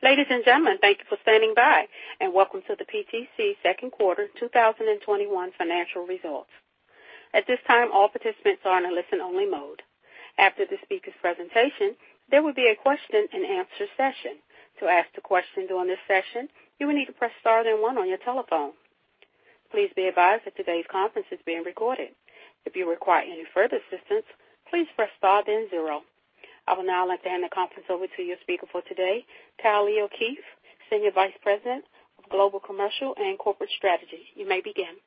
Ladies and gentlemen, thank you for standing by and welcome to the PTC second quarter 2021 financial results. At this time, all participants are in a listen-only mode. After the speaker's presentation, there will be a question-and-answer session. To ask the question during this session, you will need to press star then one on your telephone. Please be advised that today's conference is being recorded. If you require any further assistance, please press star then zero. I will now hand the conference over to your speaker for today, Kylie O'Keefe, Senior Vice President of Global Commercial and Corporate Strategy. You may begin.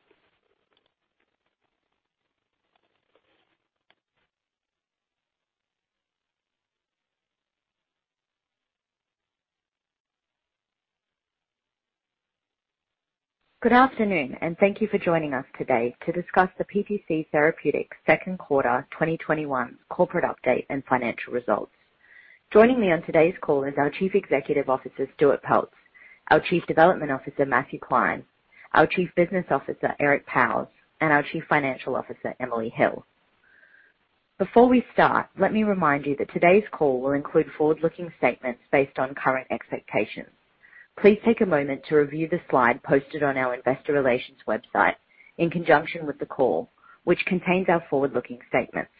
Good afternoon, and thank you for joining us today to discuss the PTC Therapeutics second quarter 2021 corporate update and financial results. Joining me on today's call is our Chief Executive Officer, Stuart Peltz, our Chief Development Officer, Matthew Klein, our Chief Business Officer, Eric Pauwels, and our Chief Financial Officer, Emily Hill. Before we start, let me remind you that today's call will include forward-looking statements based on current expectations. Please take a moment to review the slide posted on our Investor Relations website in conjunction with the call, which contains our forward-looking statements.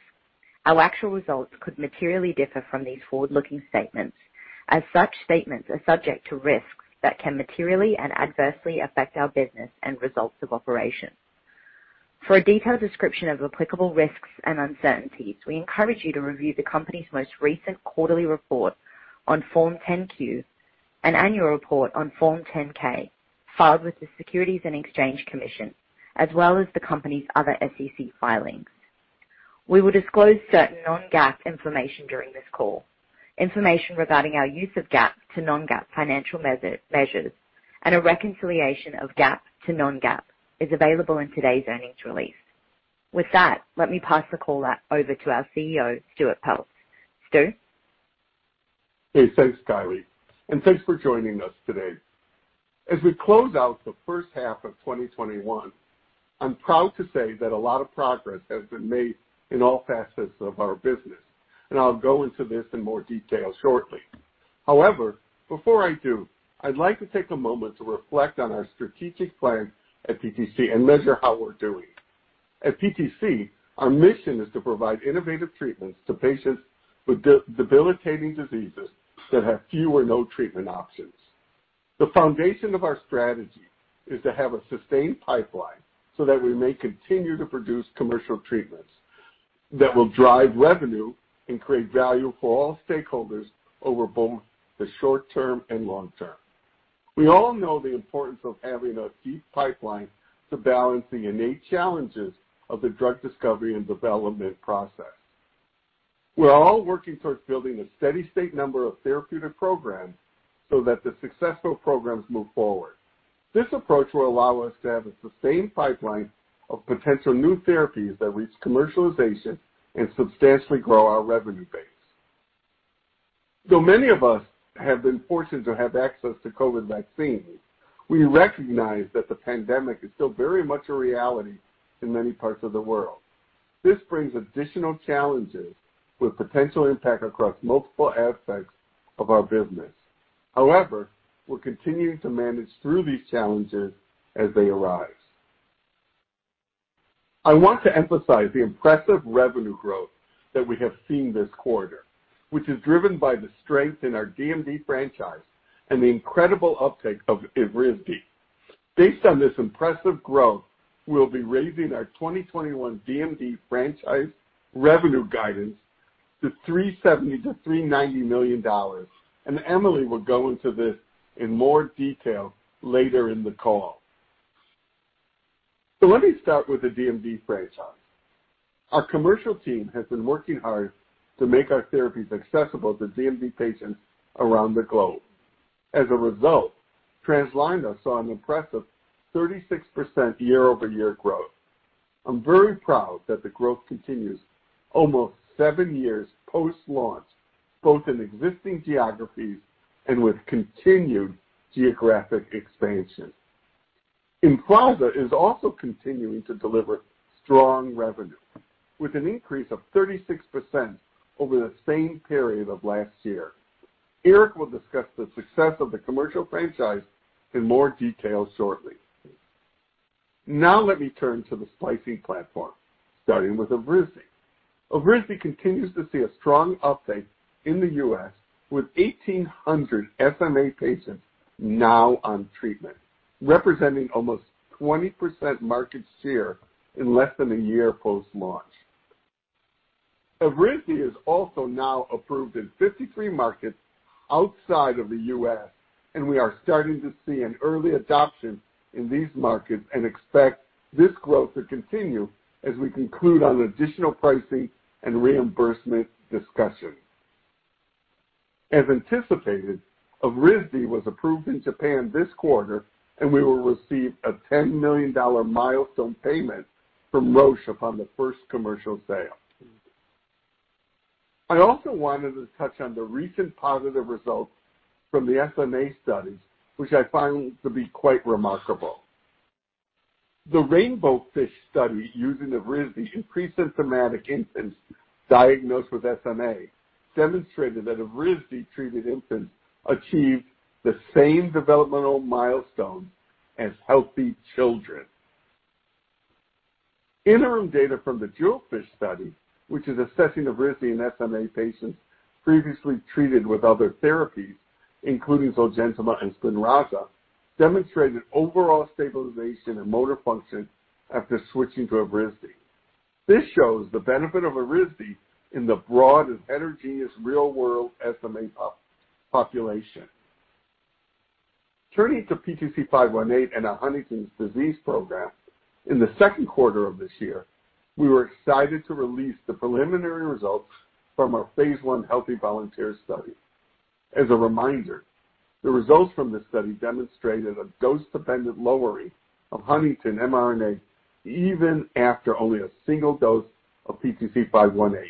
Our actual results could materially differ from these forward-looking statements. As such statements are subject to risks that can materially and adversely affect our business and results of operations. For a detailed description of applicable risks and uncertainties, we encourage you to review the company's most recent quarterly report on Form 10-Q and annual report on Form 10-K filed with the Securities and Exchange Commission, as well as the company's other SEC filings. We will disclose certain non-GAAP information during this call. Information regarding our use of GAAP to non-GAAP financial measures and a reconciliation of GAAP to non-GAAP is available in today's earnings release. With that, let me pass the call over to our CEO, Stuart Peltz. Stu? Hey, thanks, Kylie, and thanks for joining us today. As we close out the first half of 2021, I'm proud to say that a lot of progress has been made in all facets of our business, and I'll go into this in more detail shortly. However, before I do, I'd like to take a moment to reflect on our strategic plan at PTC and measure how we're doing. At PTC, our mission is to provide innovative treatments to patients with debilitating diseases that have few or no treatment options. The foundation of our strategy is to have a sustained pipeline so that we may continue to produce commercial treatments that will drive revenue and create value for all stakeholders over both the short term and long term. We all know the importance of having a deep pipeline to balance the innate challenges of the drug discovery and development process. We are all working towards building a steady state number of therapeutic programs so that the successful programs move forward. This approach will allow us to have a sustained pipeline of potential new therapies that reach commercialization and substantially grow our revenue base. Though many of us have been fortunate to have access to COVID vaccines, we recognize that the pandemic is still very much a reality in many parts of the world. This brings additional challenges with potential impact across multiple aspects of our business. However, we're continuing to manage through these challenges as they arise. I want to emphasize the impressive revenue growth that we have seen this quarter, which is driven by the strength in our DMD franchise and the incredible uptake of Evrysdi. Based on this impressive growth, we'll be raising our 2021 DMD franchise revenue guidance to $370 million-$390 million. Emily will go into this in more detail later in the call. Let me start with the DMD franchise. Our commercial team has been working hard to make our therapies accessible to DMD patients around the globe. As a result, Translarna saw an impressive 36% year-over-year growth. I'm very proud that the growth continues almost seven years post-launch, both in existing geographies and with continued geographic expansion. EMFLAZA is also continuing to deliver strong revenue with an increase of 36% over the same period of last year. Eric will discuss the success of the commercial franchise in more detail shortly. Let me turn to the splicing platform, starting with Evrysdi. Evrysdi continues to see a strong uptake in the U.S., with 1,800 SMA patients now on treatment, representing almost 20% market share in less than a year post-launch. Evrysdi is also now approved in 53 markets outside of the U.S. and we are starting to see an early adoption in these markets and expect this growth to continue as we conclude on additional pricing and reimbursement discussions. As anticipated, Evrysdi was approved in Japan this quarter, and we will receive a $10 million milestone payment from Roche upon the first commercial sale. I also wanted to touch on the recent positive results from the SMA studies, which I find to be quite remarkable. The RAINBOWFISH study using Evrysdi in pre-symptomatic infants diagnosed with SMA demonstrated that Evrysdi-treated infants achieved the same developmental milestones as healthy children. Interim data from the JEWELFISH study, which is assessing Evrysdi in SMA patients previously treated with other therapies, including Zolgensma and SPINRAZA, demonstrated overall stabilization in motor function after switching to Evrysdi. This shows the benefit of Evrysdi in the broad and heterogeneous real-world SMA population. Turning to PTC518 and our Huntington's disease program, in the second quarter of this year, we were excited to release the preliminary results from our phase I healthy volunteer study. As a reminder, the results from this study demonstrated a dose-dependent lowering of Huntingtin mRNA even after only a single dose of PTC518.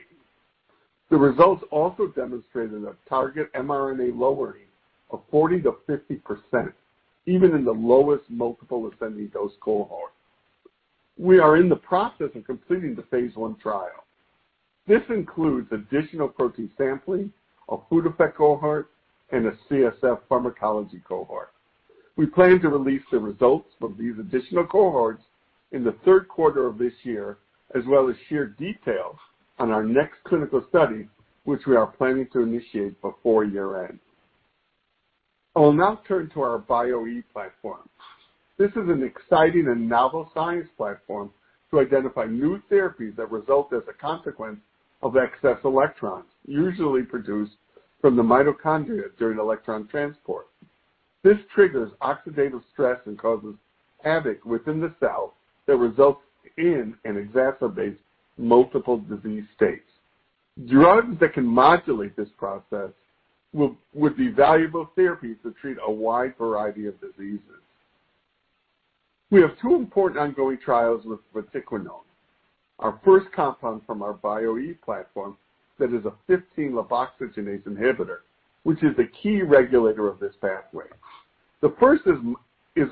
The results also demonstrated a target mRNA lowering of 40%-50%, even in the lowest multiple ascending dose cohort. We are in the process of completing the phase I trial. This includes additional protein sampling, a food effect cohort, and a CSF pharmacology cohort. We plan to release the results from these additional cohorts in the third quarter of this year, as well as share details on our next clinical study, which we are planning to initiate before year-end. I will now turn to our Bio-E platform. This is an exciting and novel science platform to identify new therapies that result as a consequence of excess electrons, usually produced from the mitochondria during electron transport. This triggers oxidative stress and causes havoc within the cell that results in and exacerbates multiple disease states. Drugs that can modulate this process would be valuable therapies to treat a wide variety of diseases. We have two important ongoing trials with vatiquinone, our first compound from our Bio-E platform that is a 15-lipoxygenase inhibitor, which is a key regulator of this pathway. The first is in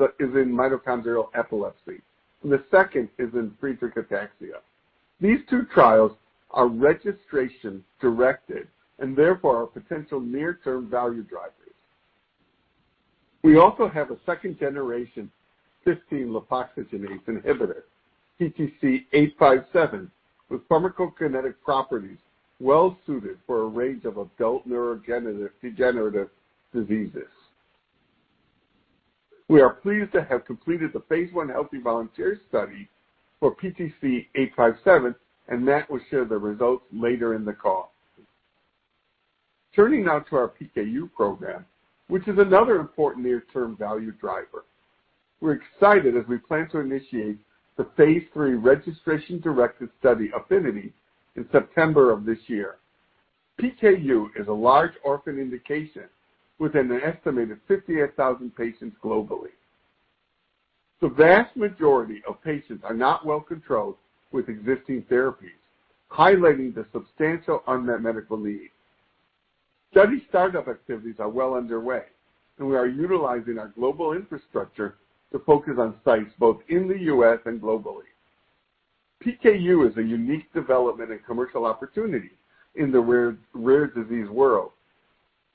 mitochondrial epilepsy and the second is in Friedreich ataxia. These two trials are registration-directed and therefore are potential near-term value drivers. We also have a second-generation 15-lipoxygenase inhibitor, PTC857, with pharmacokinetic properties well-suited for a range of adult neurodegenerative diseases. We are pleased to have completed the phase I healthy volunteer study for PTC857, and Matt will share the results later in the call. Turning now to our PKU program, which is another important near-term value driver. We're excited as we plan to initiate the phase III registration-directed study APHENITY in September of this year. PKU is a large orphan indication with an estimated 58,000 patients globally. The vast majority of patients are not well controlled with existing therapies, highlighting the substantial unmet medical need. Study startup activities are well underway, and we are utilizing our global infrastructure to focus on sites both in the U.S. and globally. PKU is a unique development and commercial opportunity in the rare disease world,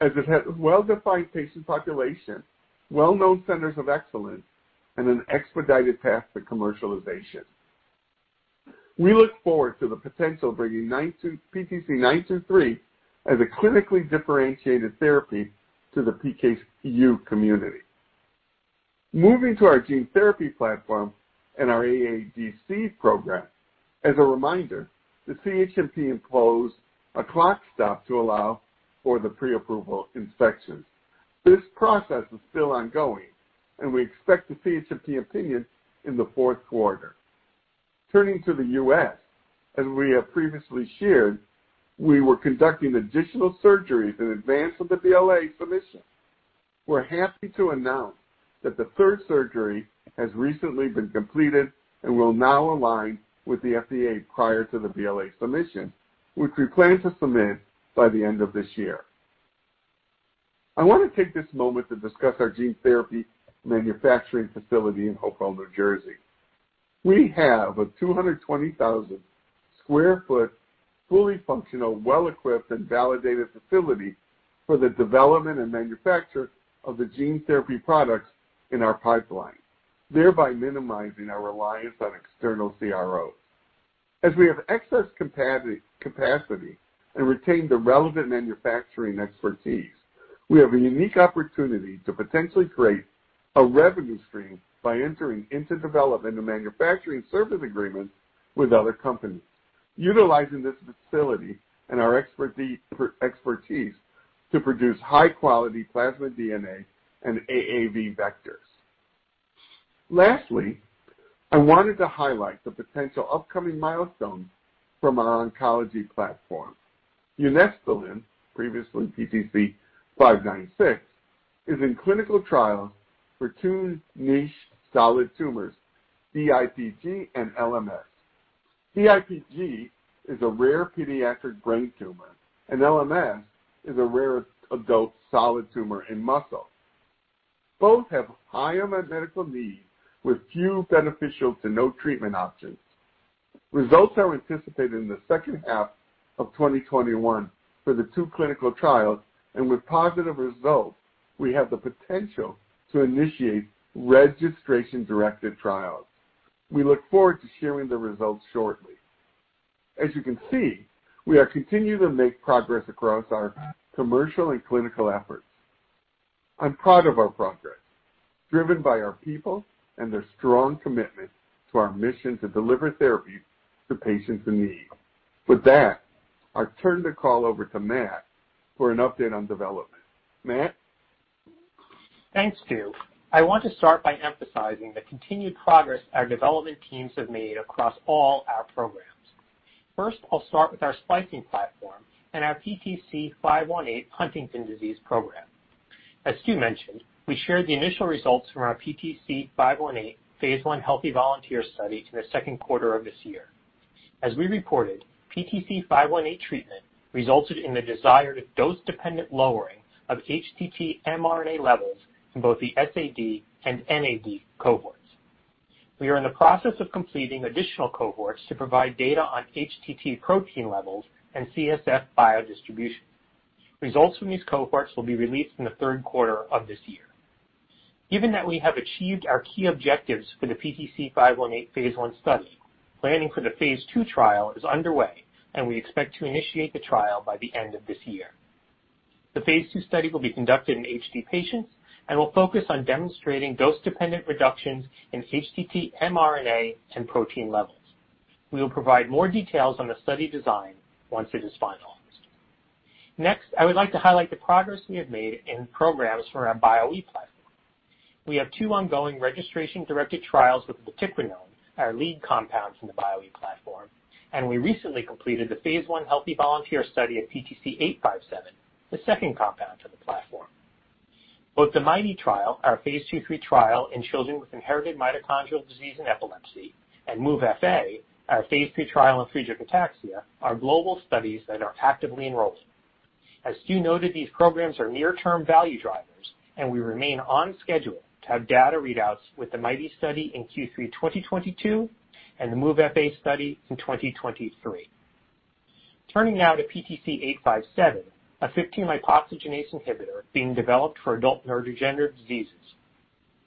as it has a well-defined patient population, well-known centers of excellence, and an expedited path to commercialization. We look forward to the potential of bringing PTC923 as a clinically differentiated therapy to the PKU community. Moving to our gene therapy platform and our AADC program. As a reminder, the CHMP imposed a clock stop to allow for the pre-approval inspections. This process is still ongoing, and we expect the CHMP opinion in the fourth quarter. Turning to the U.S., as we have previously shared, we were conducting additional surgeries in advance of the BLA submission. We're happy to announce that the third surgery has recently been completed and will now align with the FDA prior to the BLA submission, which we plan to submit by the end of this year. I want to take this moment to discuss our gene therapy manufacturing facility in Hopewell, New Jersey. We have a 220,000 sq ft, fully functional, well-equipped, and validated facility for the development and manufacture of the gene therapy products in our pipeline, thereby minimizing our reliance on external CROs. As we have excess capacity and retain the relevant manufacturing expertise, we have a unique opportunity to potentially create a revenue stream by entering into development and manufacturing service agreements with other companies, utilizing this facility and our expertise to produce high-quality plasmid DNA and AAV vectors. Lastly, I wanted to highlight the potential upcoming milestones from our oncology platform. Unesbulin, previously PTC596, is in clinical trials for two niche solid tumors, DIPG and LMS. DIPG is a rare pediatric brain tumor, and LMS is a rare adult solid tumor in muscle. Both have higher medical needs with few beneficial to no treatment options. Results are anticipated in the second half of 2021 for the two clinical trials, and with positive results, we have the potential to initiate registration-directed trials. We look forward to sharing the results shortly. As you can see, we are continuing to make progress across our commercial and clinical efforts. I'm proud of our progress, driven by our people and their strong commitment to our mission to deliver therapies to patients in need. With that, I turn the call over to Matt for an update on development. Matt? Thanks, Stu. I want to start by emphasizing the continued progress our development teams have made across all our programs. I'll start with our splicing platform and our PTC518 Huntington's disease program. As Stu mentioned, we shared the initial results from our PTC518 phase I healthy volunteer study in the second quarter of this year. As we reported, PTC518 treatment resulted in the desired dose-dependent lowering of HTT mRNA levels in both the SAD and MAD cohorts. We are in the process of completing additional cohorts to provide data on HTT protein levels and CSF biodistribution. Results from these cohorts will be released in the third quarter of this year. Given that we have achieved our key objectives for the PTC518 phase I study, planning for the phase II trial is underway, and we expect to initiate the trial by the end of this year. The phase II study will be conducted in HD patients and will focus on demonstrating dose-dependent reductions in HTT mRNA and protein levels. We will provide more details on the study design once it is finalized. Next, I would like to highlight the progress we have made in programs for our Bio-E platform. We have two ongoing registration-directed trials with vatiquinone, our lead compound from the Bio-E platform, and we recently completed the phase I healthy volunteer study of PTC857, the second compound for the platform. Both the MIT-E trial, our phase II/III trial in children with inherited mitochondrial disease and epilepsy, and MOVE-FA, our phase II trial in Friedreich ataxia, are global studies that are actively enrolling. As Stu noted, these programs are near-term value drivers, and we remain on schedule to have data readouts with the MIT-E study in Q3 2022 and the MOVE-FA study in 2023. Turning now to PTC857, a 15-lipoxygenase inhibitor being developed for adult neurodegenerative diseases.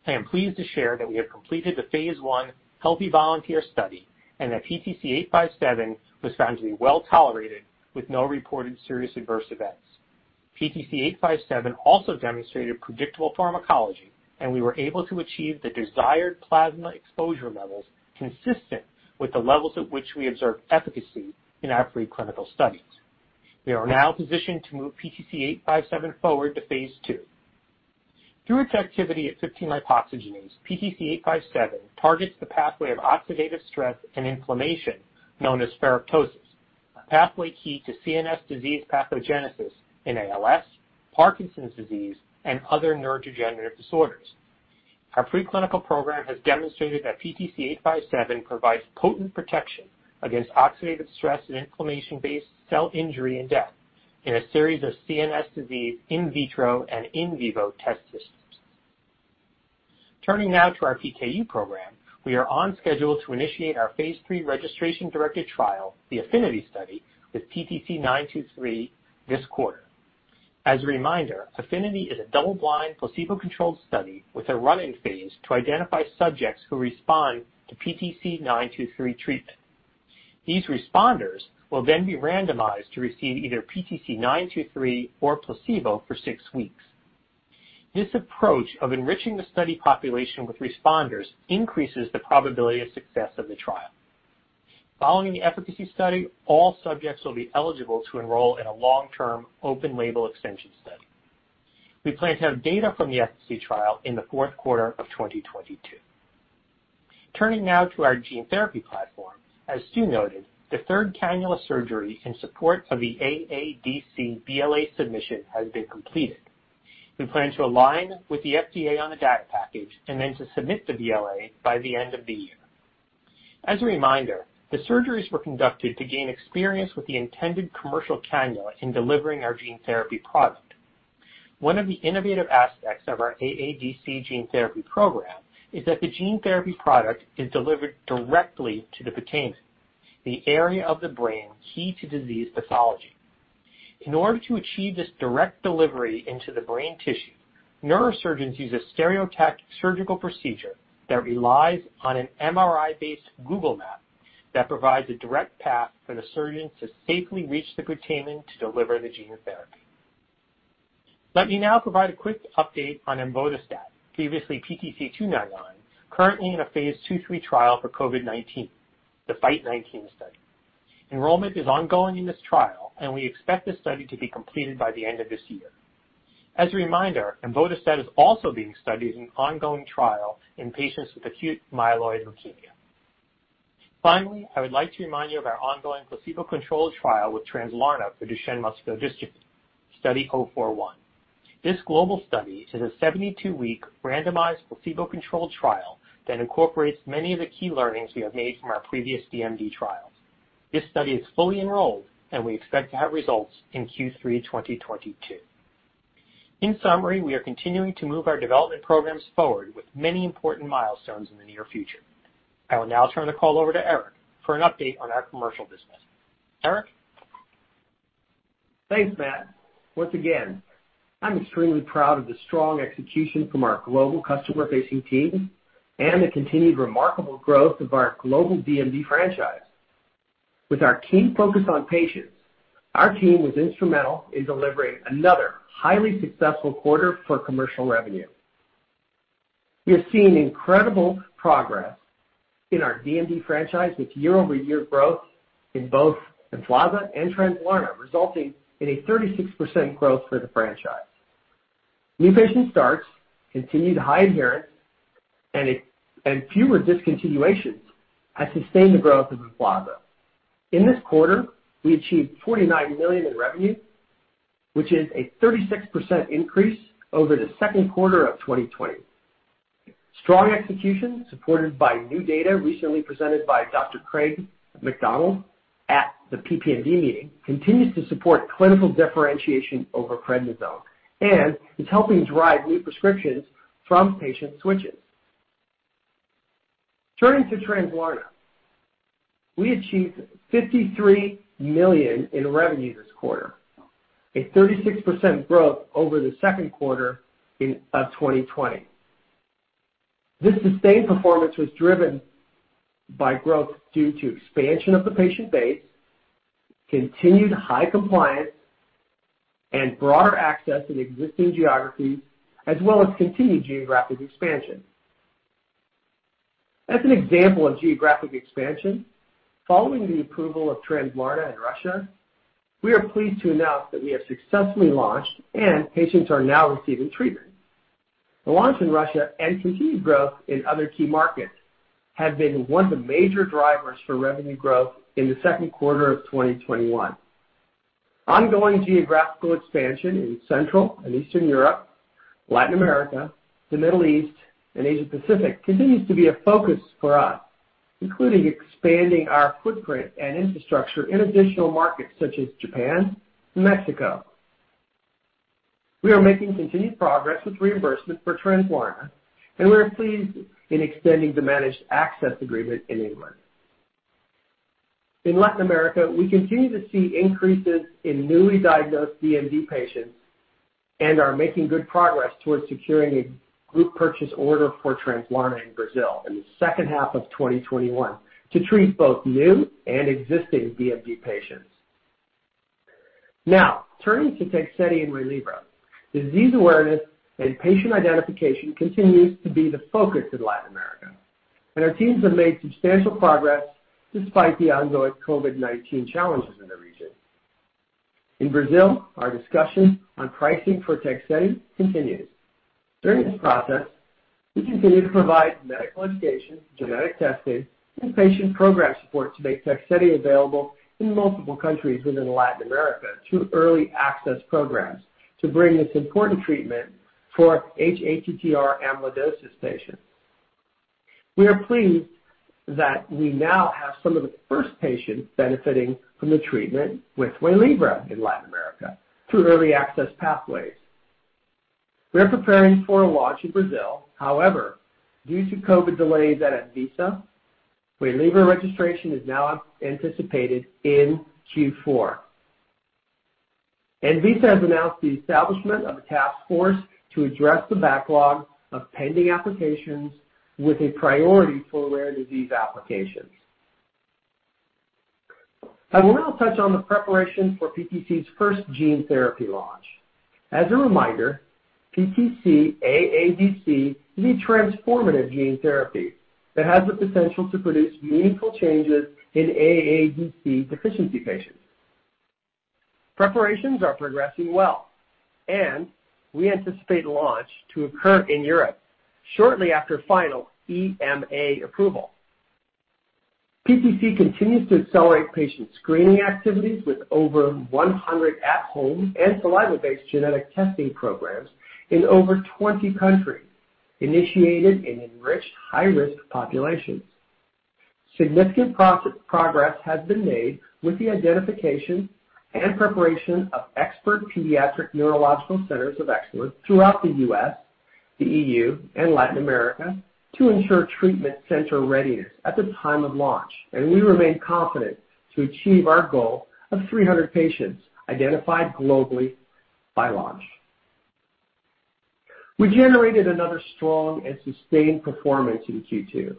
I am pleased to share that we have completed the phase I healthy volunteer study and that PTC857 was found to be well-tolerated with no reported serious adverse events. PTC857 also demonstrated predictable pharmacology, and we were able to achieve the desired plasma exposure levels consistent with the levels at which we observed efficacy in our preclinical studies. We are now positioned to move PTC857 forward to phase II. Through its activity at 15-lipoxygenase, PTC857 targets the pathway of oxidative stress and inflammation known as ferroptosis, a pathway key to CNS disease pathogenesis in ALS, Parkinson's disease, and other neurodegenerative disorders. Our preclinical program has demonstrated that PTC857 provides potent protection against oxidative stress and inflammation-based cell injury and death in a series of CNS disease in vitro and in vivo test systems. Turning now to our PKU program, we are on schedule to initiate our Phase III registration-directed trial, the APHENITY study, with PTC923 this quarter. As a reminder, APHENITY is a double-blind, placebo-controlled study with a run-in phase to identify subjects who respond to PTC923 treatment. These responders will then be randomized to receive either PTC923 or placebo for six weeks. This approach of enriching the study population with responders increases the probability of success of the trial. Following the efficacy study, all subjects will be eligible to enroll in a long-term, open-label extension study. We plan to have data from the efficacy trial in the fourth quarter of 2022. Turning now to our gene therapy platform, as Stu noted, the third cannula surgery in support of the AADC BLA submission has been completed. We plan to align with the FDA on the data package and then to submit the BLA by the end of the year. As a reminder, the surgeries were conducted to gain experience with the intended commercial cannula in delivering our gene therapy product. One of the innovative aspects of our AADC gene therapy program is that the gene therapy product is delivered directly to the putamen, the area of the brain key to disease pathology. In order to achieve this direct delivery into the brain tissue, neurosurgeons use a stereotactic surgical procedure that relies on an MRI-based Google map that provides a direct path for the surgeon to safely reach the putamen to deliver the gene therapy. Let me now provide a quick update on emvodostat, previously PTC299, currently in a phase II/III trial for COVID-19, the FITE19 study. Enrollment is ongoing in this trial, and we expect the study to be completed by the end of this year. As a reminder, emvodostat is also being studied in an ongoing trial in patients with acute myeloid leukemia. Finally, I would like to remind you of our ongoing placebo-controlled trial with Translarna for Duchenne muscular dystrophy, Study 041. This global study is a 72-week randomized placebo-controlled trial that incorporates many of the key learnings we have made from our previous DMD trials. This study is fully enrolled, and we expect to have results in Q3 2022. In summary, we are continuing to move our development programs forward with many important milestones in the near future. I will now turn the call over to Eric for an update on our commercial business. Eric? Thanks, Matt. Once again, I'm extremely proud of the strong execution from our global customer-facing teams and the continued remarkable growth of our global DMD franchise. With our keen focus on patients, our team was instrumental in delivering another highly successful quarter for commercial revenue. We have seen incredible progress in our DMD franchise with year-over-year growth in both EMFLAZA and Translarna, resulting in a 36% growth for the franchise. New patient starts continued high adherence and fewer discontinuations as sustained the growth of EMFLAZA. In this quarter, we achieved $49 million in revenue, which is a 36% increase over the second quarter of 2020. Strong execution, supported by new data recently presented by Dr. Craig McDonald at the UPPMD meeting, continues to support clinical differentiation over prednisone and is helping drive new prescriptions from patient switches. Turning to Translarna. We achieved $53 million in revenue this quarter, a 36% growth over the second quarter of 2020. This sustained performance was driven by growth due to expansion of the patient base, continued high compliance, and broader access in existing geographies, as well as continued geographic expansion. As an example of geographic expansion, following the approval of Translarna in Russia, we are pleased to announce that we have successfully launched and patients are now receiving treatment. The launch in Russia and continued growth in other key markets have been one of the major drivers for revenue growth in the second quarter of 2021. Ongoing geographical expansion in Central and Eastern Europe, Latin America, the Middle East, and Asia-Pacific continues to be a focus for us, including expanding our footprint and infrastructure in additional markets such as Japan and Mexico. We are making continued progress with reimbursement for Translarna. We are pleased in extending the managed access agreement in England. In Latin America, we continue to see increases in newly diagnosed DMD patients. We are making good progress towards securing a group purchase order for Translarna in Brazil in the second half of 2021 to treat both new and existing DMD patients. Turning to TEGSEDI and WAYLIVRA. Disease awareness and patient identification continues to be the focus in Latin America. Our teams have made substantial progress despite the ongoing COVID-19 challenges in the region. In Brazil, our discussion on pricing for TEGSEDI continues. During this process, we continue to provide medical education, genetic testing, and patient program support to make TEGSEDI available in multiple countries within Latin America through early access programs to bring this important treatment for hATTR amyloidosis patients. We are pleased that we now have some of the first patients benefiting from the treatment with WAYLIVRA in Latin America through early access pathways. We are preparing for a launch in Brazil. However, due to COVID delays at Anvisa, WAYLIVRA registration is now anticipated in Q4. Anvisa has announced the establishment of a task force to address the backlog of pending applications with a priority for rare disease applications. I will now touch on the preparation for PTC's first gene therapy launch. As a reminder, PTC AADC is a transformative gene therapy that has the potential to produce meaningful changes in AADC deficiency patients. Preparations are progressing well, and we anticipate launch to occur in Europe shortly after final EMA approval. PTC continues to accelerate patient screening activities with over 100 at-home and saliva-based genetic testing programs in over 20 countries initiated in enriched high-risk populations. Significant progress has been made with the identification and preparation of expert pediatric neurological centers of excellence throughout the U.S., the E.U., and Latin America to ensure treatment center readiness at the time of launch, and we remain confident to achieve our goal of 300 patients identified globally by launch. We generated another strong and sustained performance in Q2,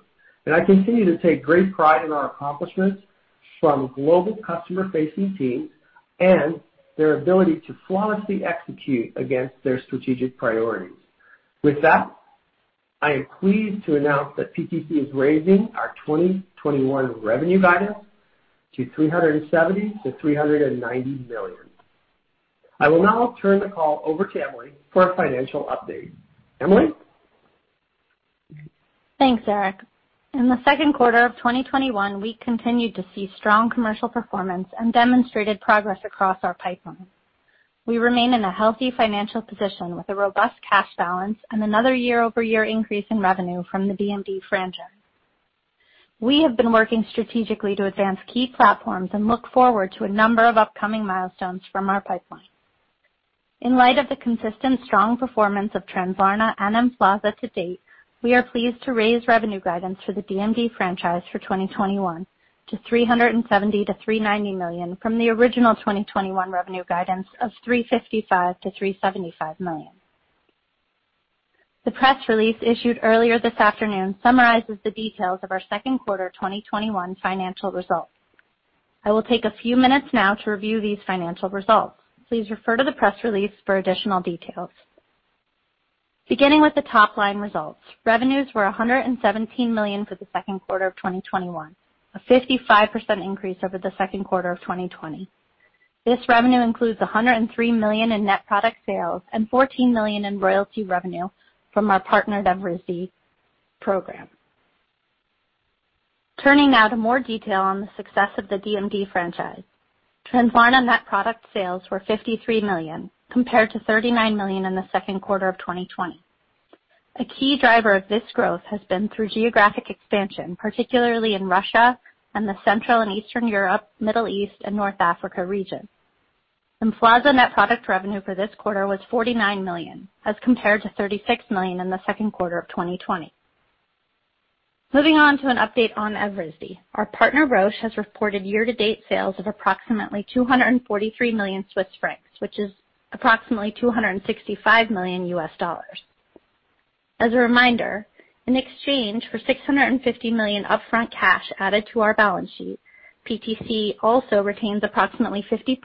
and I continue to take great pride in our accomplishments from global customer-facing teams and their ability to flawlessly execute against their strategic priorities. With that, I am pleased to announce that PTC is raising our 2021 revenue guidance to $370 million-$390 million. I will now turn the call over to Emily for a financial update. Emily? Thanks, Eric. In the second quarter of 2021, we continued to see strong commercial performance and demonstrated progress across our pipeline. We remain in a healthy financial position with a robust cash balance and another year-over-year increase in revenue from the DMD franchise. We have been working strategically to advance key platforms and look forward to a number of upcoming milestones from our pipeline. In light of the consistent strong performance of Translarna and EMFLAZA to date, we are pleased to raise revenue guidance for the DMD franchise for 2021 to $370 million-$390 million from the original 2021 revenue guidance of $355 million-$375 million. The press release issued earlier this afternoon summarizes the details of our second quarter 2021 financial results. I will take a few minutes now to review these financial results. Please refer to the press release for additional details. Beginning with the top-line results, revenues were $117 million for the second quarter of 2021, a 55% increase over the second quarter of 2020. This revenue includes $103 million in net product sales and $14 million in royalty revenue from our partnered Evrysdi program. Turning now to more detail on the success of the DMD franchise. Translarna net product sales were $53 million, compared to $39 million in the second quarter of 2020. A key driver of this growth has been through geographic expansion, particularly in Russia and the Central and Eastern Europe, Middle East, and North Africa region. EMFLAZA net product revenue for this quarter was $49 million, as compared to $36 million in the second quarter of 2020. Moving on to an update on Evrysdi. Our partner, Roche, has reported year-to-date sales of approximately 243 million Swiss francs, which is approximately $265 million U.S. dollars. As a reminder, in exchange for $650 million upfront cash added to our balance sheet, PTC also retains approximately 57%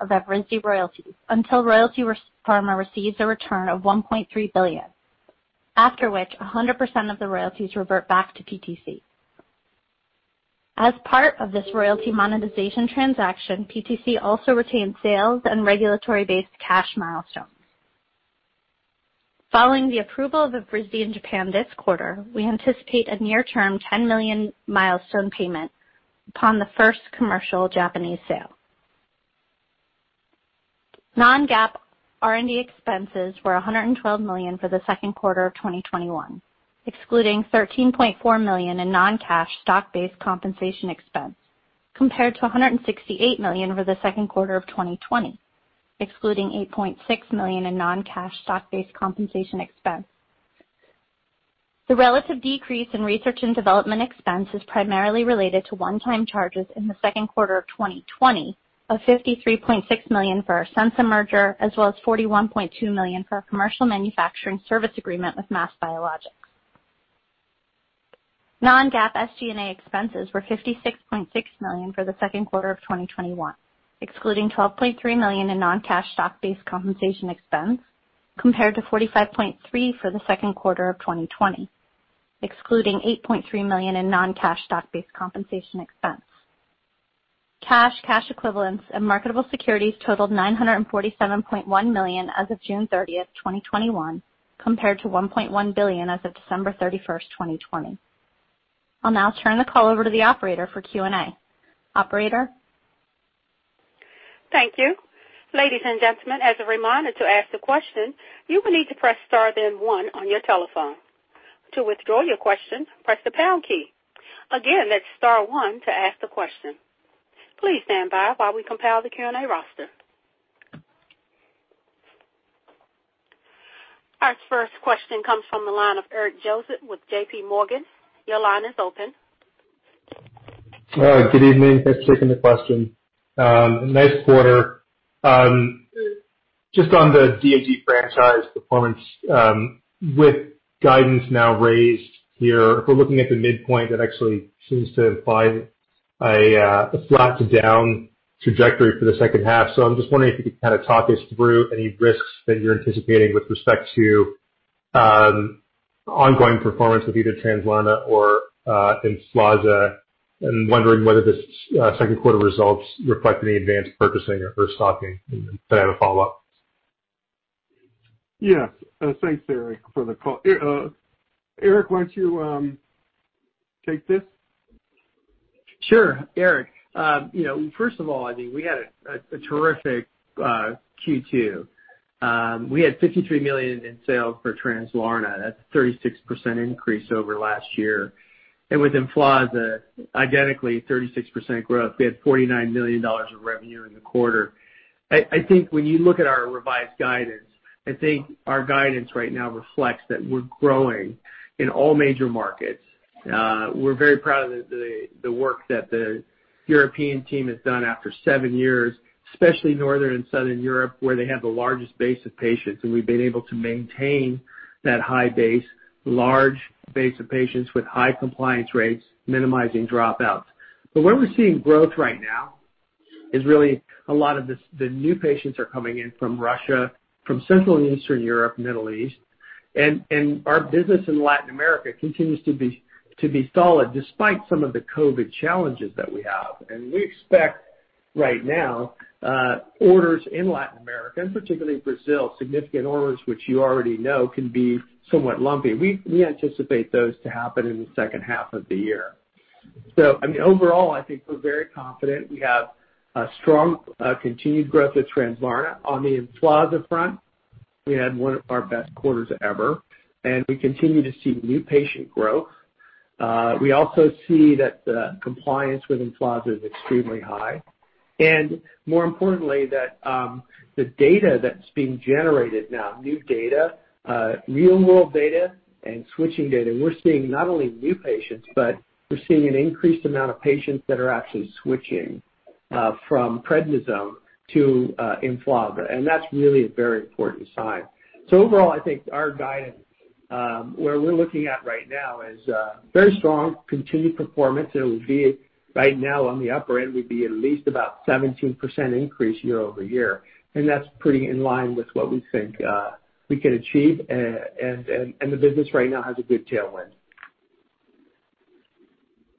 of Evrysdi royalties until Royalty Pharma receives a return of $1.3 billion, after which 100% of the royalties revert back to PTC. As part of this royalty monetization transaction, PTC also retains sales and regulatory-based cash milestones. Following the approval of Evrysdi in Japan this quarter, we anticipate a near-term $10 million milestone payment upon the first commercial Japanese sale. Non-GAAP R&D expenses were $112 million for the second quarter of 2021, excluding $13.4 million in non-cash stock-based compensation expense, compared to $168 million for the second quarter of 2020, excluding $8.6 million in non-cash stock-based compensation expense. The relative decrease in research and development expense is primarily related to one-time charges in the second quarter of 2020 of $53.6 million for our Censa merger, as well as $41.2 million for our commercial manufacturing service agreement with MassBiologics. Non-GAAP SG&A expenses were $56.6 million for the second quarter of 2021, excluding $12.3 million in non-cash stock-based compensation expense, compared to $45.3 million for the second quarter of 2020, excluding $8.3 million in non-cash stock-based compensation expense. Cash, cash equivalents, and marketable securities totaled $947.1 million as of June 30th, 2021, compared to $1.1 billion as of December 31st, 2020. I'll now turn the call over to the operator for Q&A. Operator? Thank you. Ladies and gentlemen, as a reminder, to ask a question, you will need to press star then one on your telephone. To withdraw your question, press the pound key. Again, that's star one to ask a question. Please stand by while we compile the Q&A roster. Our first question comes from the line of Eric Joseph with JPMorgan. Your line is open. Good evening. Thanks for taking the question. Nice quarter. Just on the DMD franchise performance, with guidance now raised here, if we're looking at the midpoint, that actually seems to imply a flat to down trajectory for the second half. I'm just wondering if you could kind of talk us through any risks that you're anticipating with respect to ongoing performance with either Translarna or EMFLAZA, and wondering whether this second quarter results reflect any advanced purchasing or restocking. I have a follow-up. Yes. Thanks, Eric, for the call. Eric, why don't you take this? Sure, Eric. First of all, I think we had a terrific Q2. We had $53 million in sales for Translarna. That's a 36% increase over last year. With EMFLAZA, identically 36% growth. We had $49 million of revenue in the quarter. I think when you look at our revised guidance, I think our guidance right now reflects that we're growing in all major markets. We're very proud of the work that the European team has done after seven years, especially Northern and Southern Europe, where they have the largest base of patients, and we've been able to maintain that high base, large base of patients with high compliance rates, minimizing dropouts. Where we're seeing growth right now is really a lot of the new patients are coming in from Russia, from Central and Eastern Europe, Middle East. Our business in Latin America continues to be solid despite some of the COVID challenges that we have. We expect Orders in Latin America, and particularly Brazil, significant orders which you already know can be somewhat lumpy. We anticipate those to happen in the second half of the year. Overall, I think we're very confident. We have a strong continued growth of Translarna. On the EMFLAZA front, we had one of our best quarters ever, and we continue to see new patient growth. We also see that the compliance with EMFLAZA is extremely high. More importantly, that the data that's being generated now, new data, real-world data and switching data, we're seeing not only new patients, but we're seeing an increased amount of patients that are actually switching from prednisone to EMFLAZA, and that's really a very important sign. Overall, I think our guidance, where we're looking at right now is very strong continued performance, and we'd be right now on the upper end, we'd be at least about 17% increase year-over-year. That's pretty in line with what we think we can achieve. The business right now has a good tailwind.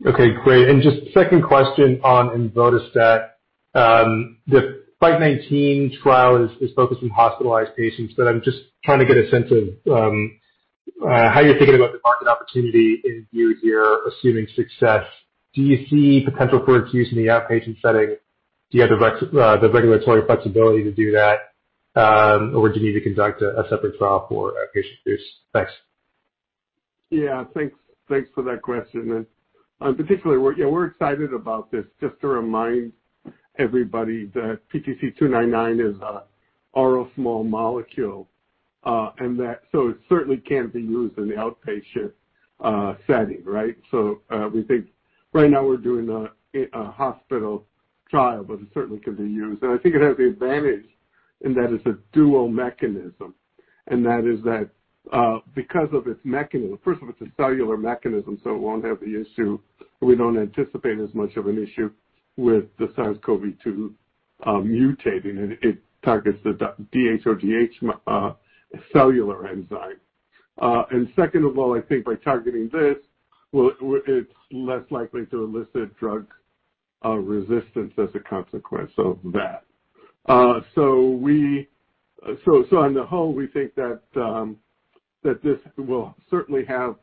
Okay, great. Just second question on emvodostat. The FITE19 trial is focused on hospitalized patients. I'm just trying to get a sense of how you're thinking about the market opportunity in view here, assuming success. Do you see potential for its use in the outpatient setting? Do you have the regulatory flexibility to do that? Do you need to conduct a separate trial for outpatient use? Thanks. Yeah. Thanks for that question. Particularly, we're excited about this. Just to remind everybody that PTC299 is an oral small molecule. It certainly can be used in the outpatient setting, right? We think right now we're doing a hospital trial, but it certainly can be used. I think it has the advantage in that it's a dual mechanism. That is that because of its mechanism, first of all, it's a cellular mechanism, so it won't have the issue. We don't anticipate as much of an issue with the SARS-CoV-2 mutating, and it targets the DHODH cellular enzyme. Second of all, I think by targeting this, it's less likely to elicit drug resistance as a consequence of that. On the whole, we think that this will certainly have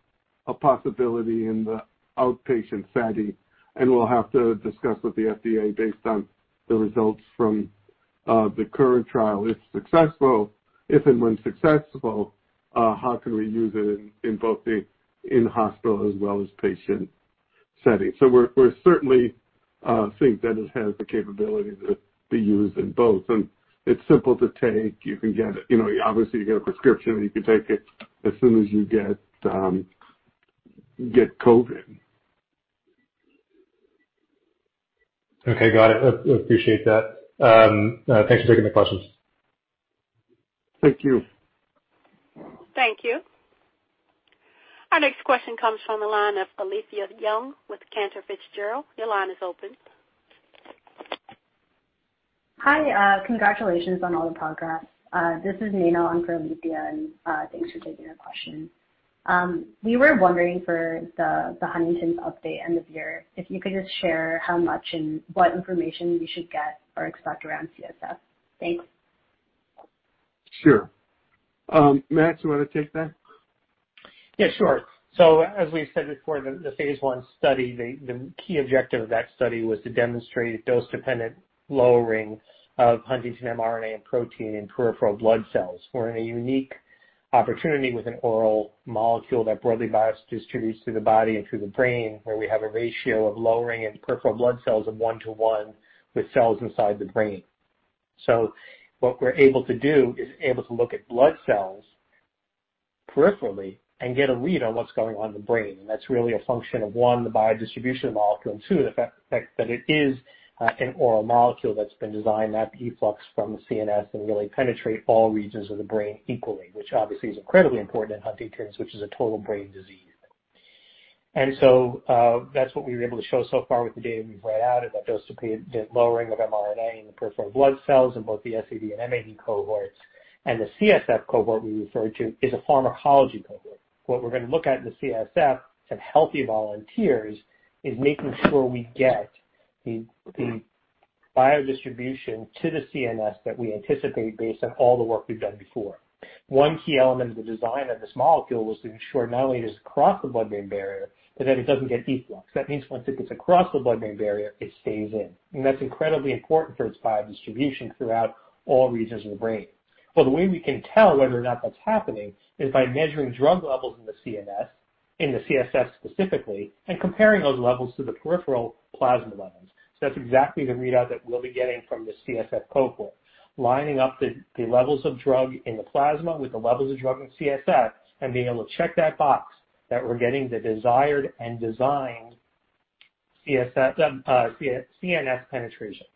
a possibility in the outpatient setting, and we'll have to discuss with the FDA based on the results from the current trial. If and when successful, how can we use it in both the in-hospital as well as patient setting? We certainly think that it has the capability to be used in both. It's simple to take. Obviously, you get a prescription, and you can take it as soon as you get COVID. Got it. Appreciate that. Thanks for taking the questions. Thank you. Thank you. Our next question comes from the line of Alethia Young with Cantor Fitzgerald. Your line is open. Hi, congratulations on all the progress. This is Nina on for Alethia, and thanks for taking our question. We were wondering for the Huntington's update end of year, if you could just share how much and what information we should get or expect around CSF. Thanks. Sure. Matt, you want to take that? Yeah, sure. As we've said before, the phase I study, the key objective of that study was to demonstrate dose-dependent lowering of Huntingtin mRNA and protein in peripheral blood cells. We're in a unique opportunity with an oral molecule that broadly biodistributes through the body and through the brain, where we have a ratio of lowering in peripheral blood cells of 1 to 1 with cells inside the brain. What we're able to do is able to look at blood cells peripherally and get a read on what's going on in the brain. And that's really a function of, one, the biodistribution molecule, and two, the fact that it is an oral molecule that's been designed to have efflux from the CNS and really penetrate all regions of the brain equally. Which obviously is incredibly important in Huntington's, which is a total brain disease. That's what we were able to show so far with the data we've read out, is that dose-dependent lowering of mRNA in the peripheral blood cells in both the SAD and MAD cohorts. The CSF cohort we referred to is a pharmacology cohort. What we're going to look at in the CSF in healthy volunteers is making sure we get the biodistribution to the CNS that we anticipate based on all the work we've done before. One key element of the design of this molecule was to ensure not only does it cross the blood-brain barrier, but that it doesn't get effluxed. That means once it gets across the blood-brain barrier, it stays in. That's incredibly important for its biodistribution throughout all regions of the brain. The way we can tell whether or not that's happening is by measuring drug levels in the CNS, in the CSF specifically, and comparing those levels to the peripheral plasma levels. That's exactly the readout that we'll be getting from the CSF cohort, lining up the levels of drug in the plasma with the levels of drug in CSF, and being able to check that box that we're getting the desired and designed CNS penetration.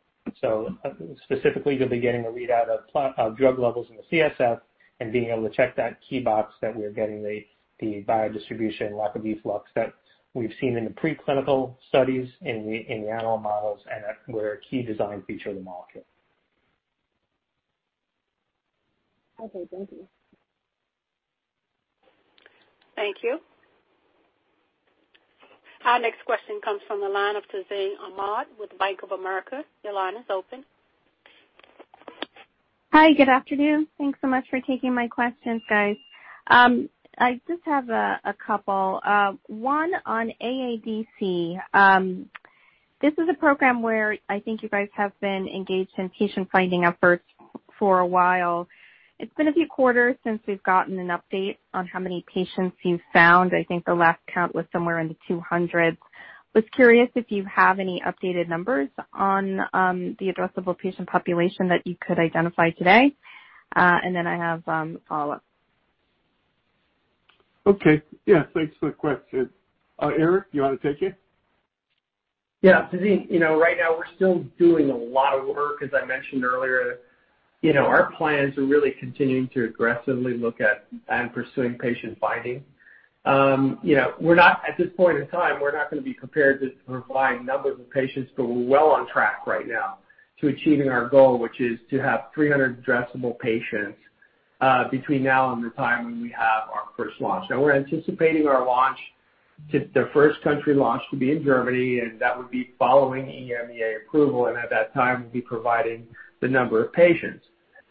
Specifically, you'll be getting a readout of drug levels in the CSF and being able to check that key box that we're getting the biodistribution lack of efflux that we've seen in the preclinical studies in the animal models and where a key design feature of the molecule. Okay, thank you. Thank you. Our next question comes from the line of Tazeen Ahmad with Bank of America. Your line is open. Hi, good afternoon. Thanks so much for taking my questions, guys. I just have a couple. One on AADC. This is a program where I think you guys have been engaged in patient finding efforts for a while. It's been a few quarters since we've gotten an update on how many patients you've found. I think the last count was somewhere in the 200. Was curious if you have any updated numbers on the addressable patient population that you could identify today. Then I have a follow-up. Okay. Yeah, thanks for the question. Eric, you want to take it? Yeah. Tazeen, right now we're still doing a lot of work, as I mentioned earlier. Our plans are really continuing to aggressively look at and pursuing patient finding. At this point in time, we're not going to be prepared to provide numbers of patients. We're well on track right now to achieving our goal, which is to have 300 addressable patients between now and the time when we have our first launch. We're anticipating our launch, the first country launch to be in Germany, and that would be following EMEA approval. At that time, we'll be providing the number of patients.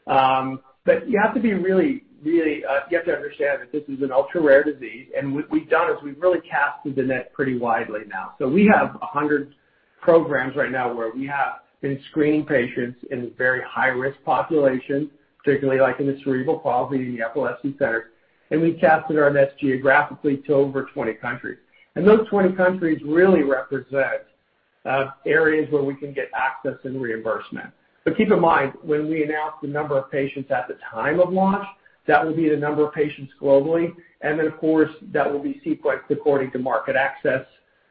You have to understand that this is an ultra-rare disease. What we've done is we've really cast the net pretty widely now. We have 100 programs right now where we have been screening patients in very high-risk populations, particularly like in the cerebral palsy and the epilepsy centers. We've casted our nets geographically to over 20 countries. Those 20 countries really represent areas where we can get access and reimbursement. Keep in mind, when we announce the number of patients at the time of launch, that will be the number of patients globally, and then, of course, that will be sequenced according to market access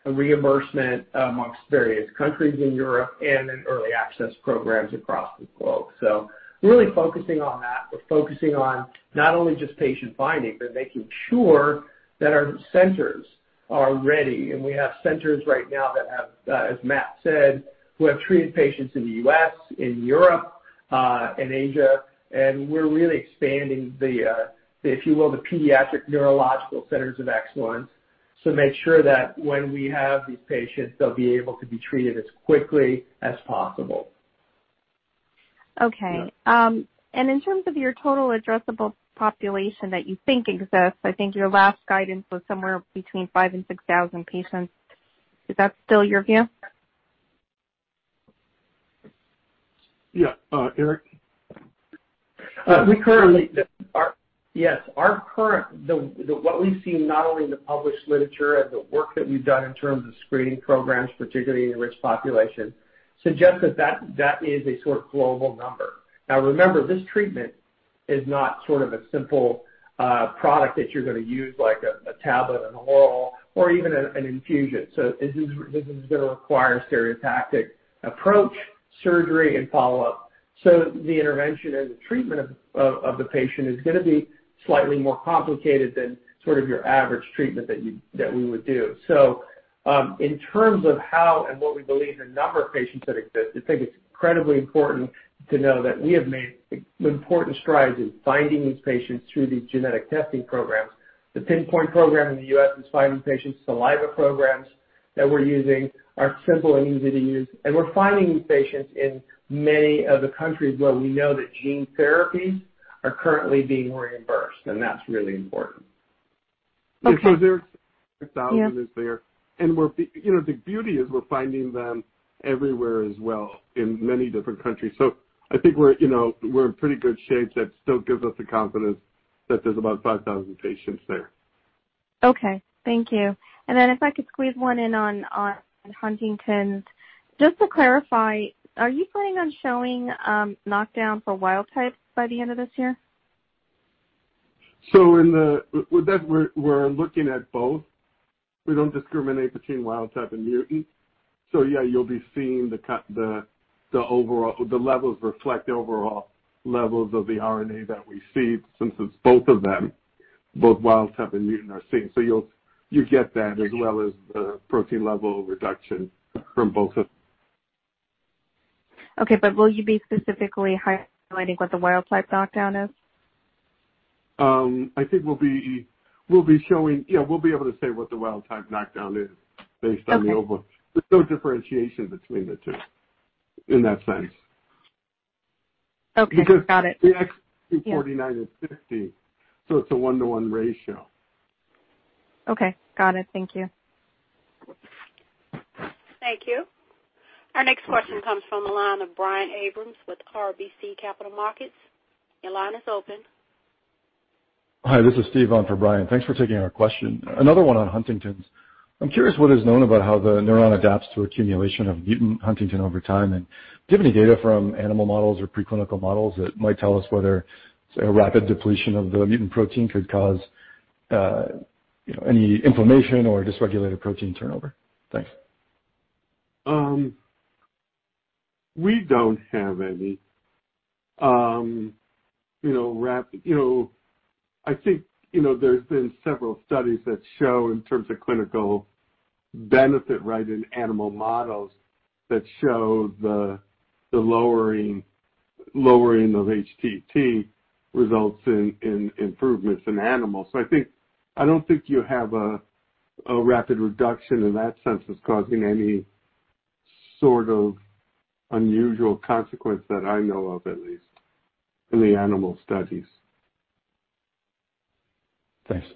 and reimbursement amongst various countries in Europe and in early access programs across the globe. Really focusing on that. We're focusing on not only just patient finding, but making sure that our centers are ready. We have centers right now that have, as Matt said, who have treated patients in the U.S., in Europe, in Asia, and we're really expanding the, if you will, the pediatric neurological centers of excellence. Make sure that when we have these patients, they'll be able to be treated as quickly as possible. Okay. Yeah. In terms of your total addressable population that you think exists, I think your last guidance was somewhere between 5,000 and 6,000 patients. Is that still your view? Yeah. Eric? Yes. What we've seen not only in the published literature and the work that we've done in terms of screening programs, particularly in the risk population, suggest that is a sort of global number. Now remember, this treatment is not sort of a simple product that you're going to use, like a tablet, an oral, or even an infusion. This is going to require a stereotactic approach, surgery, and follow-up. The intervention and the treatment of the patient is going to be slightly more complicated than sort of your average treatment that we would do. In terms of how and what we believe the number of patients that exist, I think it's incredibly important to know that we have made important strides in finding these patients through these genetic testing programs. The Pinpoint program in the U.S. is finding patients. Saliva programs that we're using are simple and easy to use. We're finding these patients in many of the countries where we know that gene therapies are currently being reimbursed. That's really important. Okay. Yeah. There's 6,000 is there, and the beauty is we're finding them everywhere as well, in many different countries. I think we're in pretty good shape. That still gives us the confidence that there's about 5,000 patients there. Okay. Thank you. If I could squeeze one in on Huntingtin. Just to clarify, are you planning on showing knockdown for wild type by the end of this year? With that, we're looking at both. We don't discriminate between wild type and mutant. Yeah, you'll be seeing the levels reflect overall levels of the RNA that we see since it's both of them, both wild type and mutant are seen. You get that as well as the protein level reduction from both of them. Okay. Will you be specifically highlighting what the wild type knockdown is? I think we'll be able to say what the wild type knockdown is based on the overall. Okay. There's no differentiation between the two in that sense. Okay. Got it. Yeah. The IC50s are 49 and 50, so it's a 1:1 ratio. Okay. Got it. Thank you. Thank you. Our next question comes from the line of Brian Abrahams with RBC Capital Markets. Your line is open. Hi, this is Steve on for Brian. Thanks for taking our question. Another one on Huntingtin's. I'm curious what is known about how the neuron adapts to accumulation of mutant Huntingtin over time, and do you have any data from animal models or preclinical models that might tell us whether a rapid depletion of the mutant protein could cause any inflammation or dysregulated protein turnover? Thanks. I think there's been several studies that show in terms of clinical benefit, in animal models, that show the lowering of HTT results in improvements in animals. I don't think you have a rapid reduction in that sense that's causing any sort of unusual consequence that I know of, at least in the animal studies. Thanks.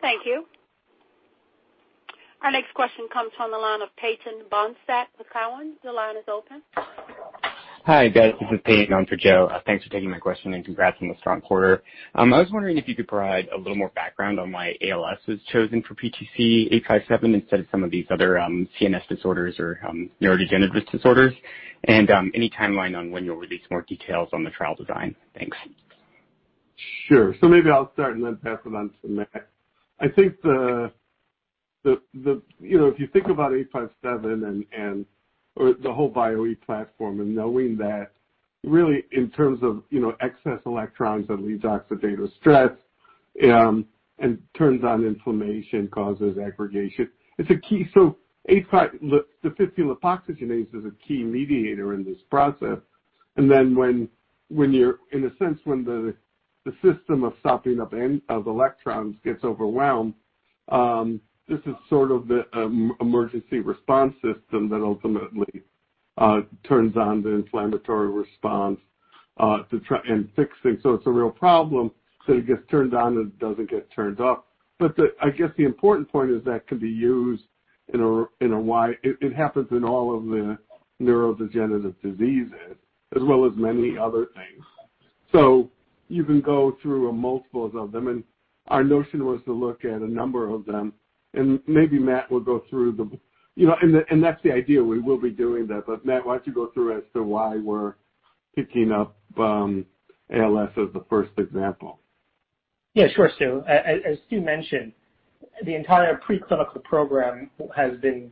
Thank you. Our next question comes from the line of Peyton Bohnsack with Cowen. Your line is open. Hi guys, this is Peyton on for Joe. Thanks for taking my question and congrats on the strong quarter. I was wondering if you could provide a little more background on why ALS was chosen for PTC857 instead of some of these other CNS disorders or neurodegenerative disorders, and any timeline on when you'll release more details on the trial design. Thanks. Sure. Maybe I'll start and then pass it on to Matt. I think if you think about PTC857 and the whole Bio-E platform and knowing that really in terms of excess electrons that leads to oxidative stress and turns on inflammation, causes aggregation. The 15-lipoxygenase is a key mediator in this process, and then in a sense, when the system of sopping up of electrons gets overwhelmed, this is sort of the emergency response system that ultimately turns on the inflammatory response and fixing. It's a real problem. It gets turned on and doesn't get turned off. I guess the important point is that it happens in all of the neurodegenerative diseases as well as many other things. You can go through multiples of them, and our notion was to look at a number of them and maybe Matt will go through them. That's the idea. We will be doing that. Matt, why don't you go through as to why we're picking up ALS as the first example? Sure, Stu. As Stu mentioned, the entire preclinical program has been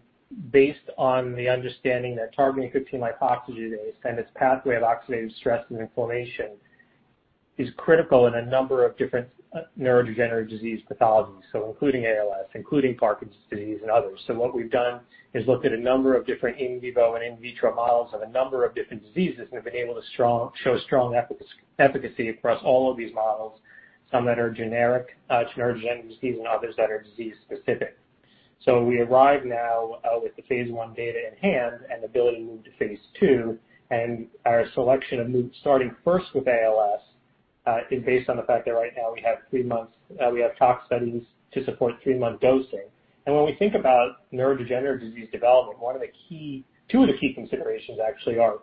based on the understanding that targeting 15-lipoxygenase and its pathway of oxidative stress and inflammation is critical in a number of different neurodegenerative disease pathologies. Including ALS, including Parkinson's disease and others. What we've done is looked at a number of different in vivo and in vitro models of a number of different diseases, and we've been able to show strong efficacy across all of these models, some that are generic to neurodegenerative disease and others that are disease specific. We arrive now with the phase I data in hand and the ability to move to phase II. Our selection of starting first with ALS, is based on the fact that right now we have tox studies to support three-month dosing. When we think about neurodegenerative disease development, two of the key considerations actually are,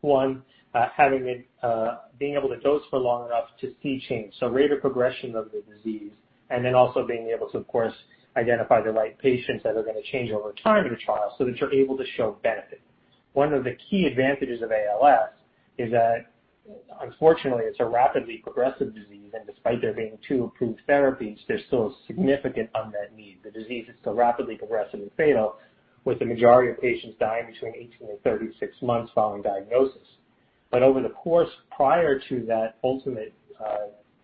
one, being able to dose for long enough to see change, so rate of progression of the disease, and then also being able to, of course, identify the right patients that are going to change over time in the trial so that you're able to show benefit. One of the key advantages of ALS is that unfortunately, it's a rapidly progressive disease, and despite there being two approved therapies, there's still a significant unmet need. The disease is still rapidly progressive and fatal, with the majority of patients dying between 18 and 36 months following diagnosis. Over the course prior to that ultimate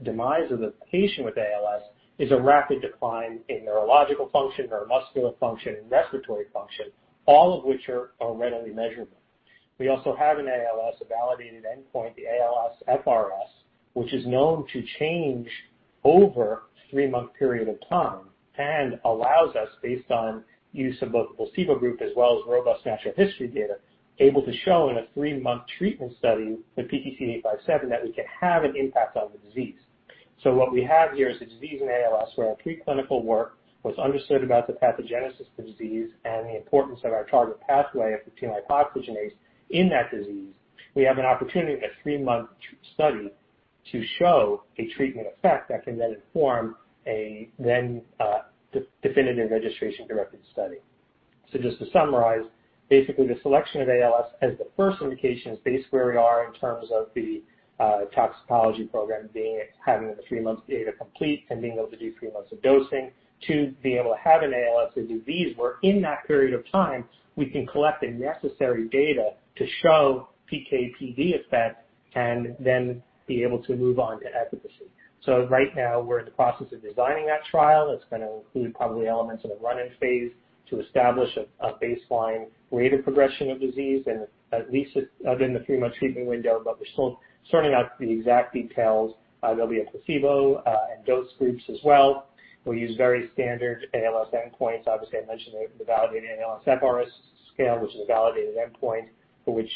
demise of the patient with ALS, is a rapid decline in neurological function, neuromuscular function, and respiratory function, all of which are readily measurable. We also have in ALS, a validated endpoint, the ALSFRS, which is known to change over a three-month period of time and allows us, based on use of both the placebo group as well as robust natural history data, able to show in a three-month treatment study with PTC857 that we can have an impact on the disease. What we have here is a disease in ALS where our preclinical work was understood about the pathogenesis of the disease and the importance of our target pathway of 15-lipoxygenase in that disease. We have an opportunity in a 3-month study to show a treatment effect that can then inform a definitive registration-directed study. Just to summarize, basically the selection of ALS as the first indication is based where we are in terms of the toxicology program having the three-month data complete and being able to do three months of dosing to be able to have an ALS and do these where in that period of time, we can collect the necessary data to show PK/PD effect and then be able to move on to efficacy. Right now we're in the process of designing that trial. It's going to include probably elements of a run-in phase to establish a baseline rate of progression of disease and at least within the three-month treatment window. We're still sorting out the exact details. There'll be a placebo and dose groups as well. We'll use very standard ALS endpoints. Obviously, I mentioned the validated ALSFRS scale, which is a validated endpoint which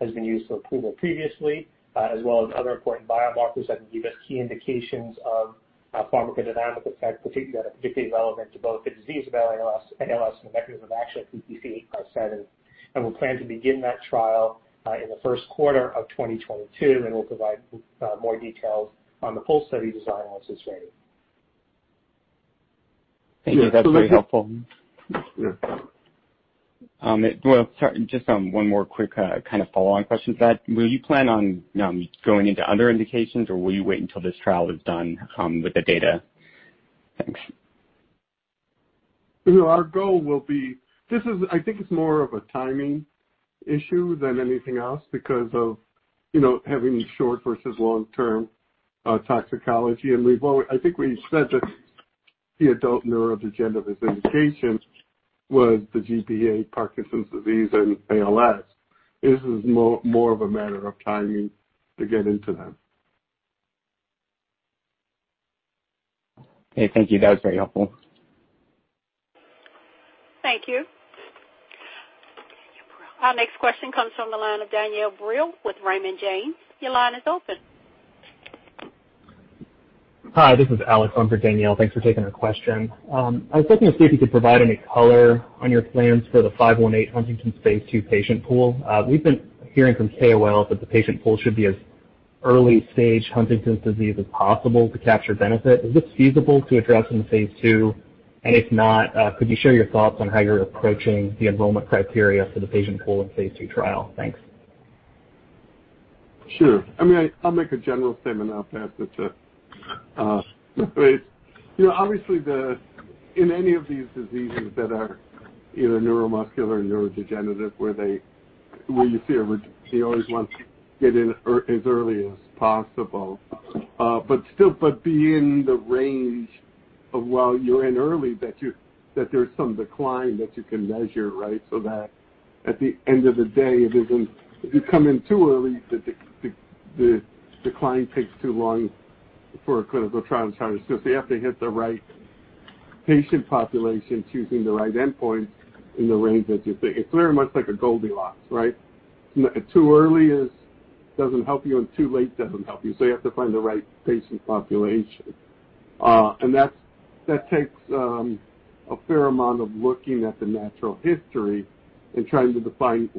has been used for approval previously, as well as other important biomarkers that can give us key indications of pharmacodynamic effect, particularly relevant to both the disease of ALS and the mechanism of action of PTC857. We plan to begin that trial in the first quarter of 2022 and we'll provide more details on the full study design once it's ready. Thank you. That's very helpful. Yeah. Well, sorry, just one more quick follow-on question to that. Will you plan on going into other indications or will you wait until this trial is done with the data? Our goal will be, I think it's more of a timing issue than anything else because of having short versus long-term toxicology. I think we said that the adult neurodegenerative indications was the GBA, Parkinson's disease, and ALS. This is more of a matter of timing to get into them. Okay, thank you. That was very helpful. Thank you. Our next question comes from the line of Danielle Brill with Raymond James. Your line is open. Hi, this is Alex. I'm for Danielle. Thanks for taking her question. I was looking to see if you could provide any color on your plans for the PTC518 Huntington phase II patient pool. We've been hearing from KOLs that the patient pool should be as early-stage Huntington's disease as possible to capture benefit. Is this feasible to address in the phase II, and if not, could you share your thoughts on how you're approaching the enrollment criteria for the patient pool in phase II trial? Thanks. Sure. I'll make a general statement. I'll pass this to Matt. Obviously, in any of these diseases that are either neuromuscular or neurodegenerative where you always want to get in as early as possible. Be in the range of while you're in early that there's some decline that you can measure, right? That at the end of the day, if you come in too early, the decline takes too long for a clinical trial to try. You have to hit the right patient population, choosing the right endpoint in the range that you think. It's very much like a Goldilocks, right? Too early doesn't help you, and too late doesn't help you. You have to find the right patient population. That takes a fair amount of looking at the natural history and trying to define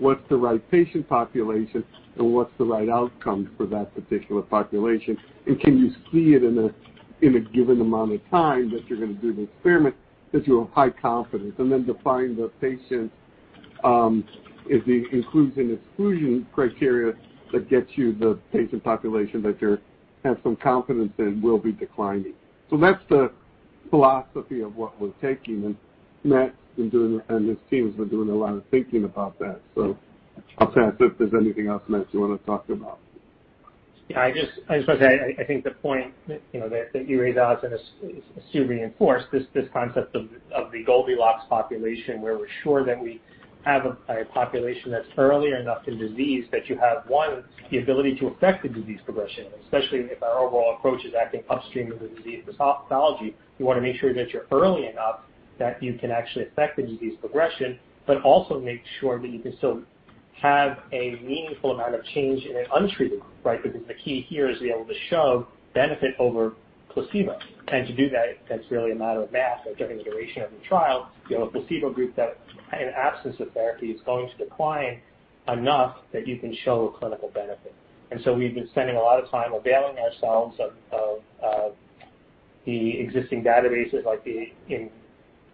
what's the right patient population and what's the right outcome for that particular population, and can you see it in a given amount of time that you're going to do the experiment that you have high confidence. Then define the patient, the inclusion/exclusion criteria that gets you the patient population that you have some confidence in will be declining. That's the philosophy of what we're taking, and Matt and his teams have been doing a lot of thinking about that. I'll ask if there's anything else, Matt, you want to talk about. Yeah, I just want to say, I think the point that you raised, Alex, and Stu reinforced, this concept of the Goldilocks population, where we're sure that we have a population that's early enough in disease that you have, one, the ability to affect the disease progression. Especially if our overall approach is acting upstream of the disease pathology, you want to make sure that you're early enough that you can actually affect the disease progression, but also make sure that you can still have a meaningful amount of change in an untreated group, right? Because the key here is to be able to show benefit over placebo. To do that, it's really a matter of math, like given the duration of the trial, you have a placebo group that in absence of therapy is going to decline enough that you can show a clinical benefit. We've been spending a lot of time availing ourselves of the existing databases like the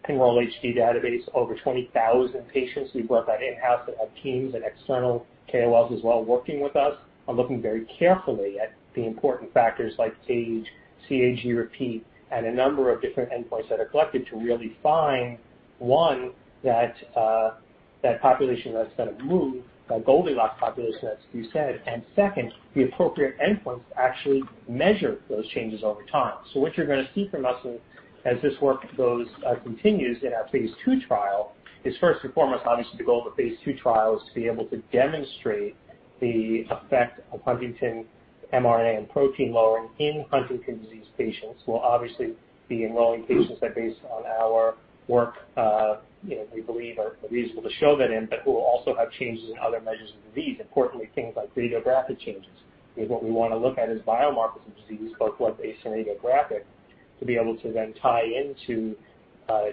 Enroll-HD database, over 20,000 patients we've worked on in-house that have teams and external KOLs as well working with us on looking very carefully at the important factors like age, CAG repeat, and a number of different endpoints that are collected to really find, one, that population that's going to move, that Goldilocks population, as Stu said, and second, the appropriate endpoints to actually measure those changes over time. What you're going to see from us as this work continues in our phase II trial is first and foremost, obviously, the goal of the phase II trial is to be able to demonstrate the effect of Huntingtin mRNA and protein lowering in Huntington's disease patients. We'll obviously be enrolling patients that based on our work we believe are reasonable to show that in, but who will also have changes in other measures of the disease. Importantly, things like radiographic changes, because what we want to look at is biomarkers of disease, both blood-based and radiographic, to be able to then tie into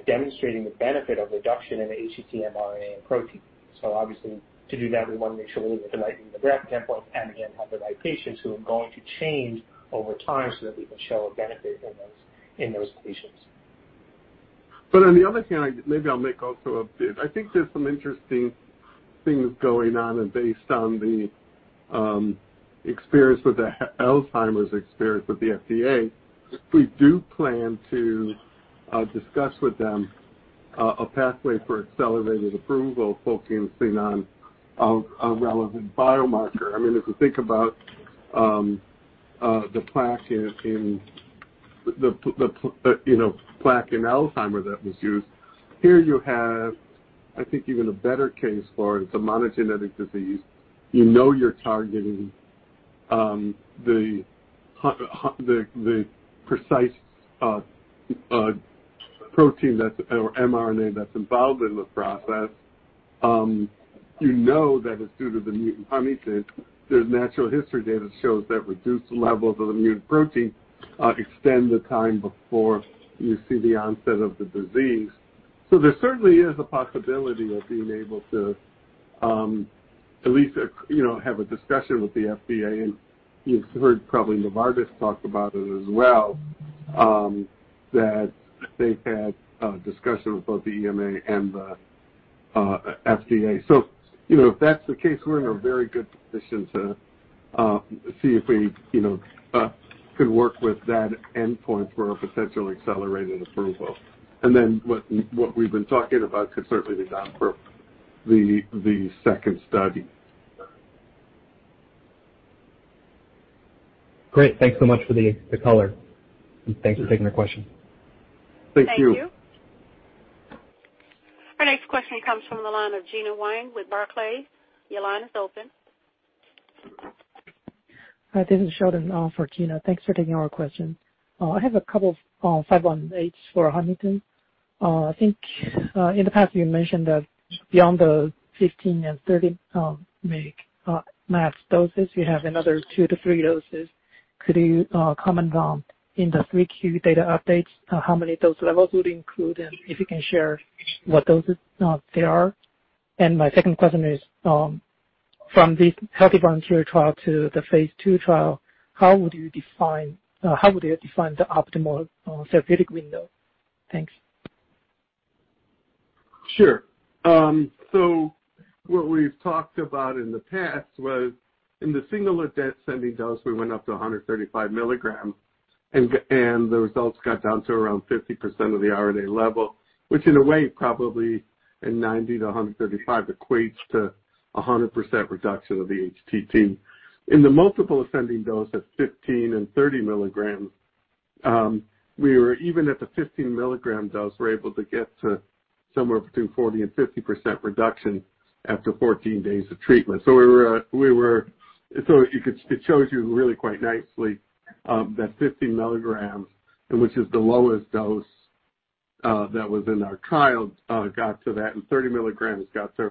demonstrating the benefit of reduction in the HTT mRNA and protein. Obviously, to do that, we want to make sure we're looking at the right endpoint and again, have the right patients who are going to change over time so that we can show a benefit in those patients. On the other thing, maybe I'll make also a bit. I think there's some interesting things going on based on the experience with the Alzheimer's experience with the FDA. We do plan to discuss with them a pathway for accelerated approval focusing on a relevant biomarker. If you think about the plaque in Alzheimer's that was used, here you have, I think, even a better case for it. It's a monogenetic disease. You know you're targeting the precise protein or mRNA that's involved in the process. You know that it's due to the mutant Huntingtin. There's natural history data that shows that reduced levels of the mutant protein extend the time before you see the onset of the disease. There certainly is a possibility of being able to at least have a discussion with the FDA. You've heard probably Novartis talk about it as well, that they've had a discussion with both the EMA and the FDA. If that's the case, we're in a very good position to see if we could work with that endpoint for a potential accelerated approval. What we've been talking about could certainly be done for the second study. Great. Thanks so much for the color and thank you for taking the question. Thank you. Thank you. Our next question comes from the line of Gena Wang with Barclays. Your line is open. Hi, this is Sheldon for Gena. Thanks for taking our question. I have a couple of PTC518s for Huntington's disease. I think in the past you mentioned that beyond the 15 mg and 30 mg doses, you have another two to three doses. Could you comment on, in the Q3 data updates, how many dose levels would include and if you can share what doses they are? My second question is from this healthy volunteer trial to the phase II trial, how would you define the optimal therapeutic window? Thanks. Sure. What we've talked about in the past was in the single ascending dose, we went up to 135 mg and the results got down to around 50% of the RNA level, which in a way, probably in 90 to 135 equates to 100% reduction of the HTT. In the multiple ascending dose at 15 and 30 mg, we were even at the 15 mg dose, we're able to get to somewhere between 40% and 50% reduction after 14 days of treatment. It shows you really quite nicely that 15 mg, which is the lowest dose that was in our trial got to that, and 30 mg got to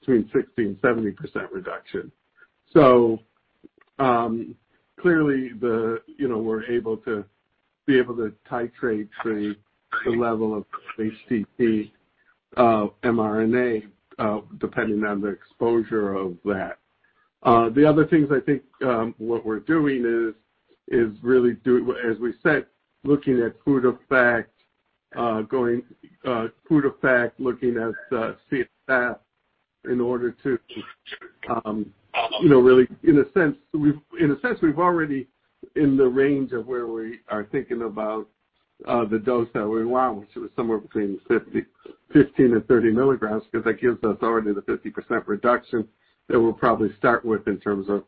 between 60% and 70% reduction. Clearly we're able to titrate the level of HTT-mRNA, depending on the exposure of that. The other things I think what we're doing is as we said, looking at proof of fact, looking at CSF in order to really, in a sense, we've already in the range of where we are thinking about the dose that we want, which is somewhere between 15-30 mg because that gives us already the 50% reduction that we'll probably start with in terms of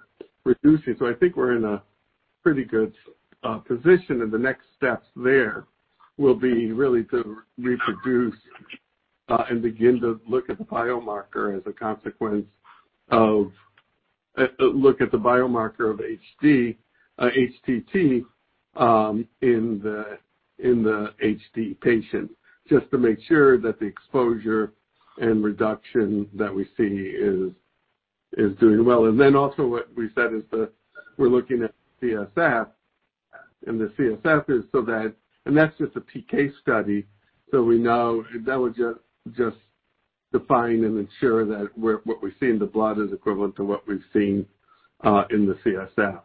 reducing. I think we're in a pretty good position and the next steps there will be really to reproduce and begin to look at the biomarker of HTT in the HD patient, just to make sure that the exposure and reduction that we see is doing well. Also what we said is that we're looking at CSF and the CSF is and that's just a PK study, we know that would just define and ensure that what we see in the blood is equivalent to what we've seen in the CSF.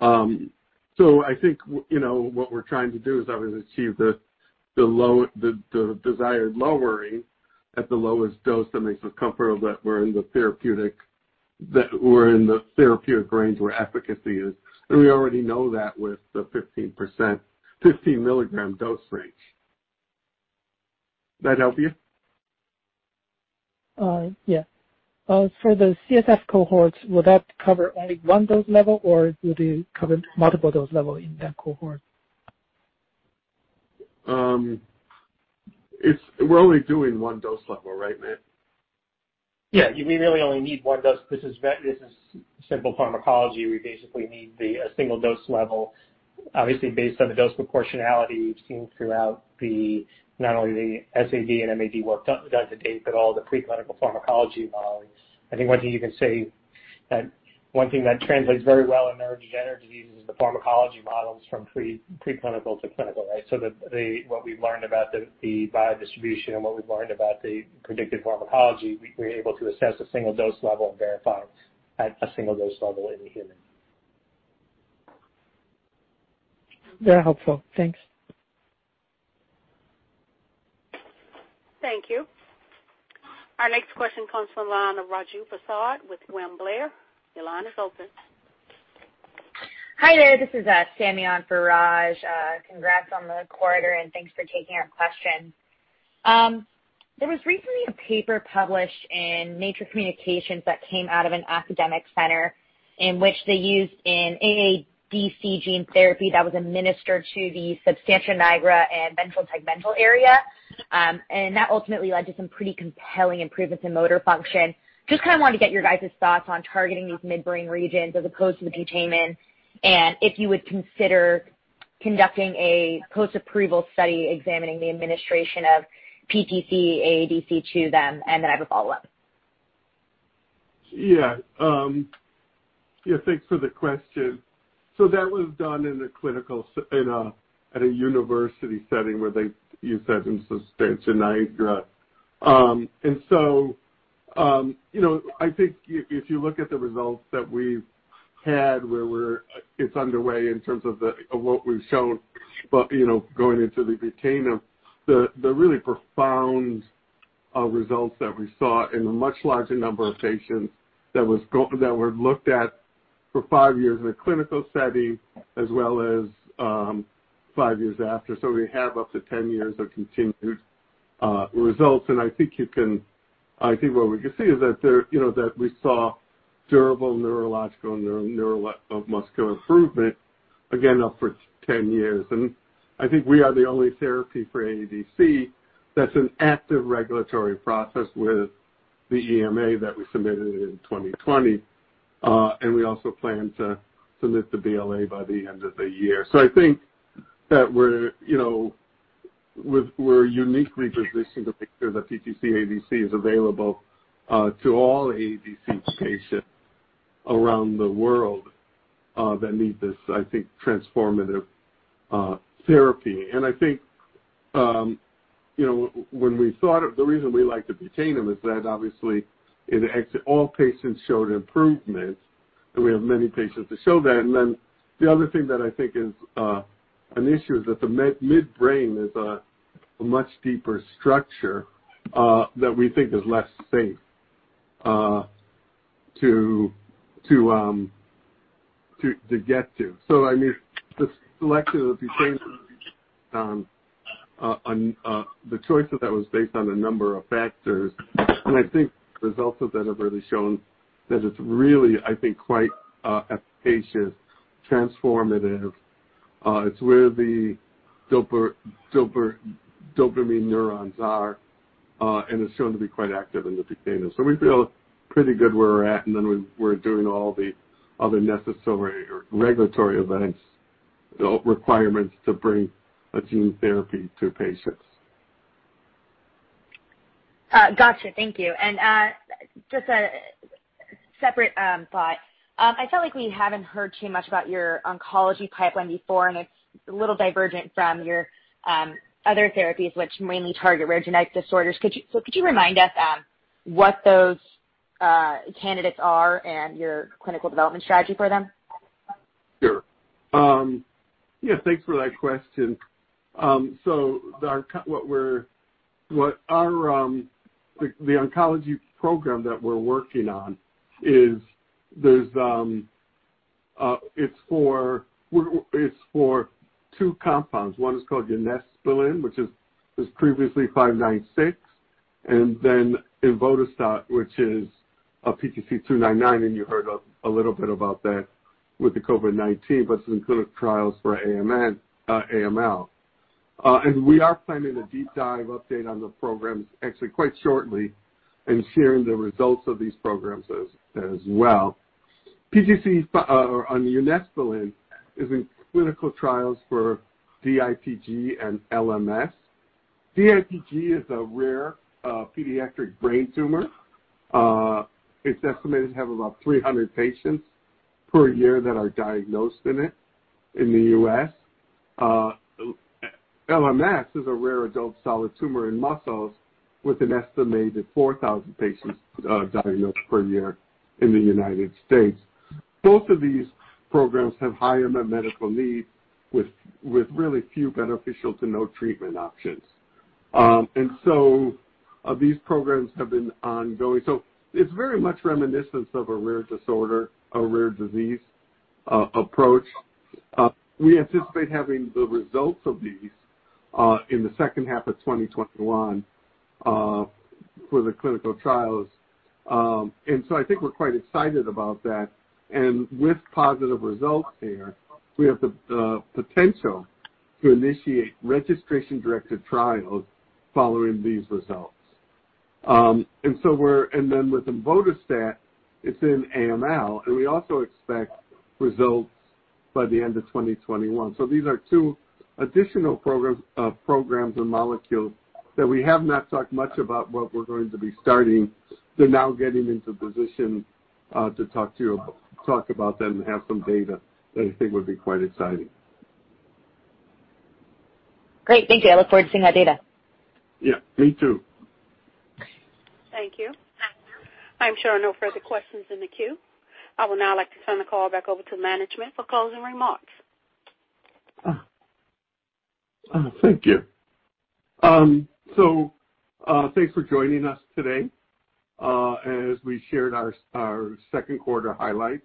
I think what we're trying to do is obviously achieve the desired lowering at the lowest dose that makes us comfortable that we're in the therapeutic range where efficacy is. We already know that with the 15 mg dose range. That help you? Yeah. For the CSF cohorts, will that cover only one dose level or will they cover multiple dose levels in that cohort? We're only doing one dose level, right Matt? Yeah, we really only need one dose. This is simple pharmacology. We basically need a single dose level, obviously based on the dose proportionality we've seen throughout not only the SAD and MAD work done to date, but all the preclinical pharmacology models. I think one thing you can say that one thing that translates very well in neurodegenerative diseases is the pharmacology models from preclinical to clinical, right? What we've learned about the biodistribution and what we've learned about the predicted pharmacology, we're able to assess a single dose level and verify at a single dose level in the human. Very helpful. Thanks. Thank you. Our next question comes from the line of Raju Prasad with William Blair. Your line is open. Hi there. This is Sami on for Raj. Congrats on the quarter. Thanks for taking our question. There was recently a paper published in Nature Communications that came out of an academic center in which they used an AADC gene therapy that was administered to the substantia nigra and ventral tegmental area. That ultimately led to some pretty compelling improvements in motor function. Just wanted to get your guys' thoughts on targeting these midbrain regions as opposed to the putamen, if you would consider conducting a post-approval study examining the administration of PTC-AADC to them. I have a follow-up. Yeah. Thanks for the question. That was done at a university setting where they used that in substantia nigra. I think if you look at the results that we've had, where it's underway in terms of what we've shown going into the putamen, the really profound results that we saw in a much larger number of patients that were looked at for five years in a clinical setting, as well as five years after. We have up to 10 years of continued results, and I think what we can see is that we saw durable neurological and neuromuscular improvement, again, up for 10 years. I think we are the only therapy for AADC that's an active regulatory process with the EMA that we submitted in 2020. We also plan to submit the BLA by the end of the year. I think that we're uniquely positioned to make sure that PTC-AADC is available to all AADC patients around the world that need this, I think, transformative therapy. I think the reason we like the putamen is that obviously, all patients showed improvement, and we have many patients to show that. The other thing that I think is an issue is that the midbrain is a much deeper structure that we think is less safe to get to. I mean, the selection of the putamen, the choice of that was based on a number of factors. I think results of that have really shown that it's really quite efficacious, transformative. It's where the dopamine neurons are, and it's shown to be quite active in the putamen. We feel pretty good where we're at, and then we're doing all the other necessary regulatory events, requirements to bring a gene therapy to patients. Got you. Thank you. Just a separate thought. I feel like we haven't heard too much about your oncology pipeline before, and it's a little divergent from your other therapies, which mainly target rare genetic disorders. Could you remind us what those candidates are and your clinical development strategy for them? Sure. Yeah, thanks for that question. The oncology program that we're working on is for two compounds. One is called unesbulin, which is previously PTC596, and then emvodostat, which is PTC299, and you heard a little bit about that with the COVID-19, but it's in clinical trials for AML. We are planning a deep dive update on the programs actually quite shortly and sharing the results of these programs as well. PTC on unesbulin is in clinical trials for DIPG and LMS. DIPG is a rare pediatric brain tumor. It's estimated to have about 300 patients per year that are diagnosed in it in the U.S. LMS is a rare adult solid tumor in muscles with an estimated 4,000 patients diagnosed per year in the United States. Both of these programs have high unmet medical need with really few beneficial to no treatment options. These programs have been ongoing. It's very much reminiscent of a rare disorder, a rare disease approach. We anticipate having the results of these in the second half of 2021 for the clinical trials. I think we're quite excited about that. With positive results here, we have the potential to initiate registration-directed trials following these results. With emvodostat, it's in AML, and we also expect results by the end of 2021. These are two additional programs and molecules that we have not talked much about what we're going to be starting. They're now getting into position to talk about them and have some data that I think would be quite exciting. Great. Thank you. I look forward to seeing that data. Yeah, me too. Thank you. I am showing no further questions in the queue. I would now like to turn the call back over to management for closing remarks. Thank you. Thanks for joining us today. As we shared our second quarter highlights,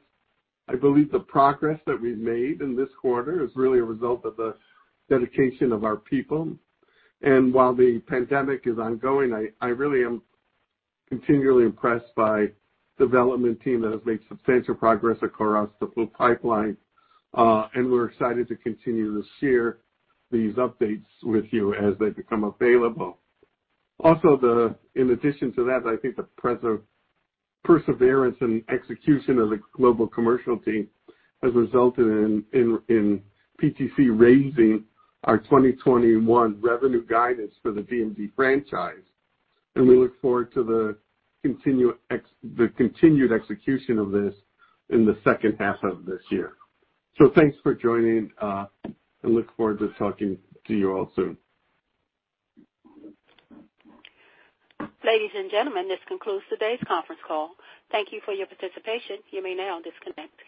I believe the progress that we've made in this quarter is really a result of the dedication of our people. While the pandemic is ongoing, I really am continually impressed by development team that has made substantial progress across the full pipeline. We're excited to continue to share these updates with you as they become available. Also, in addition to that, I think the perseverance and execution of the global commercial team has resulted in PTC raising our 2021 revenue guidance for the DMD franchise, and we look forward to the continued execution of this in the second half of this year. Thanks for joining, and look forward to talking to you all soon. Ladies and gentlemen, this concludes today's conference call. Thank you for your participation. You may now disconnect.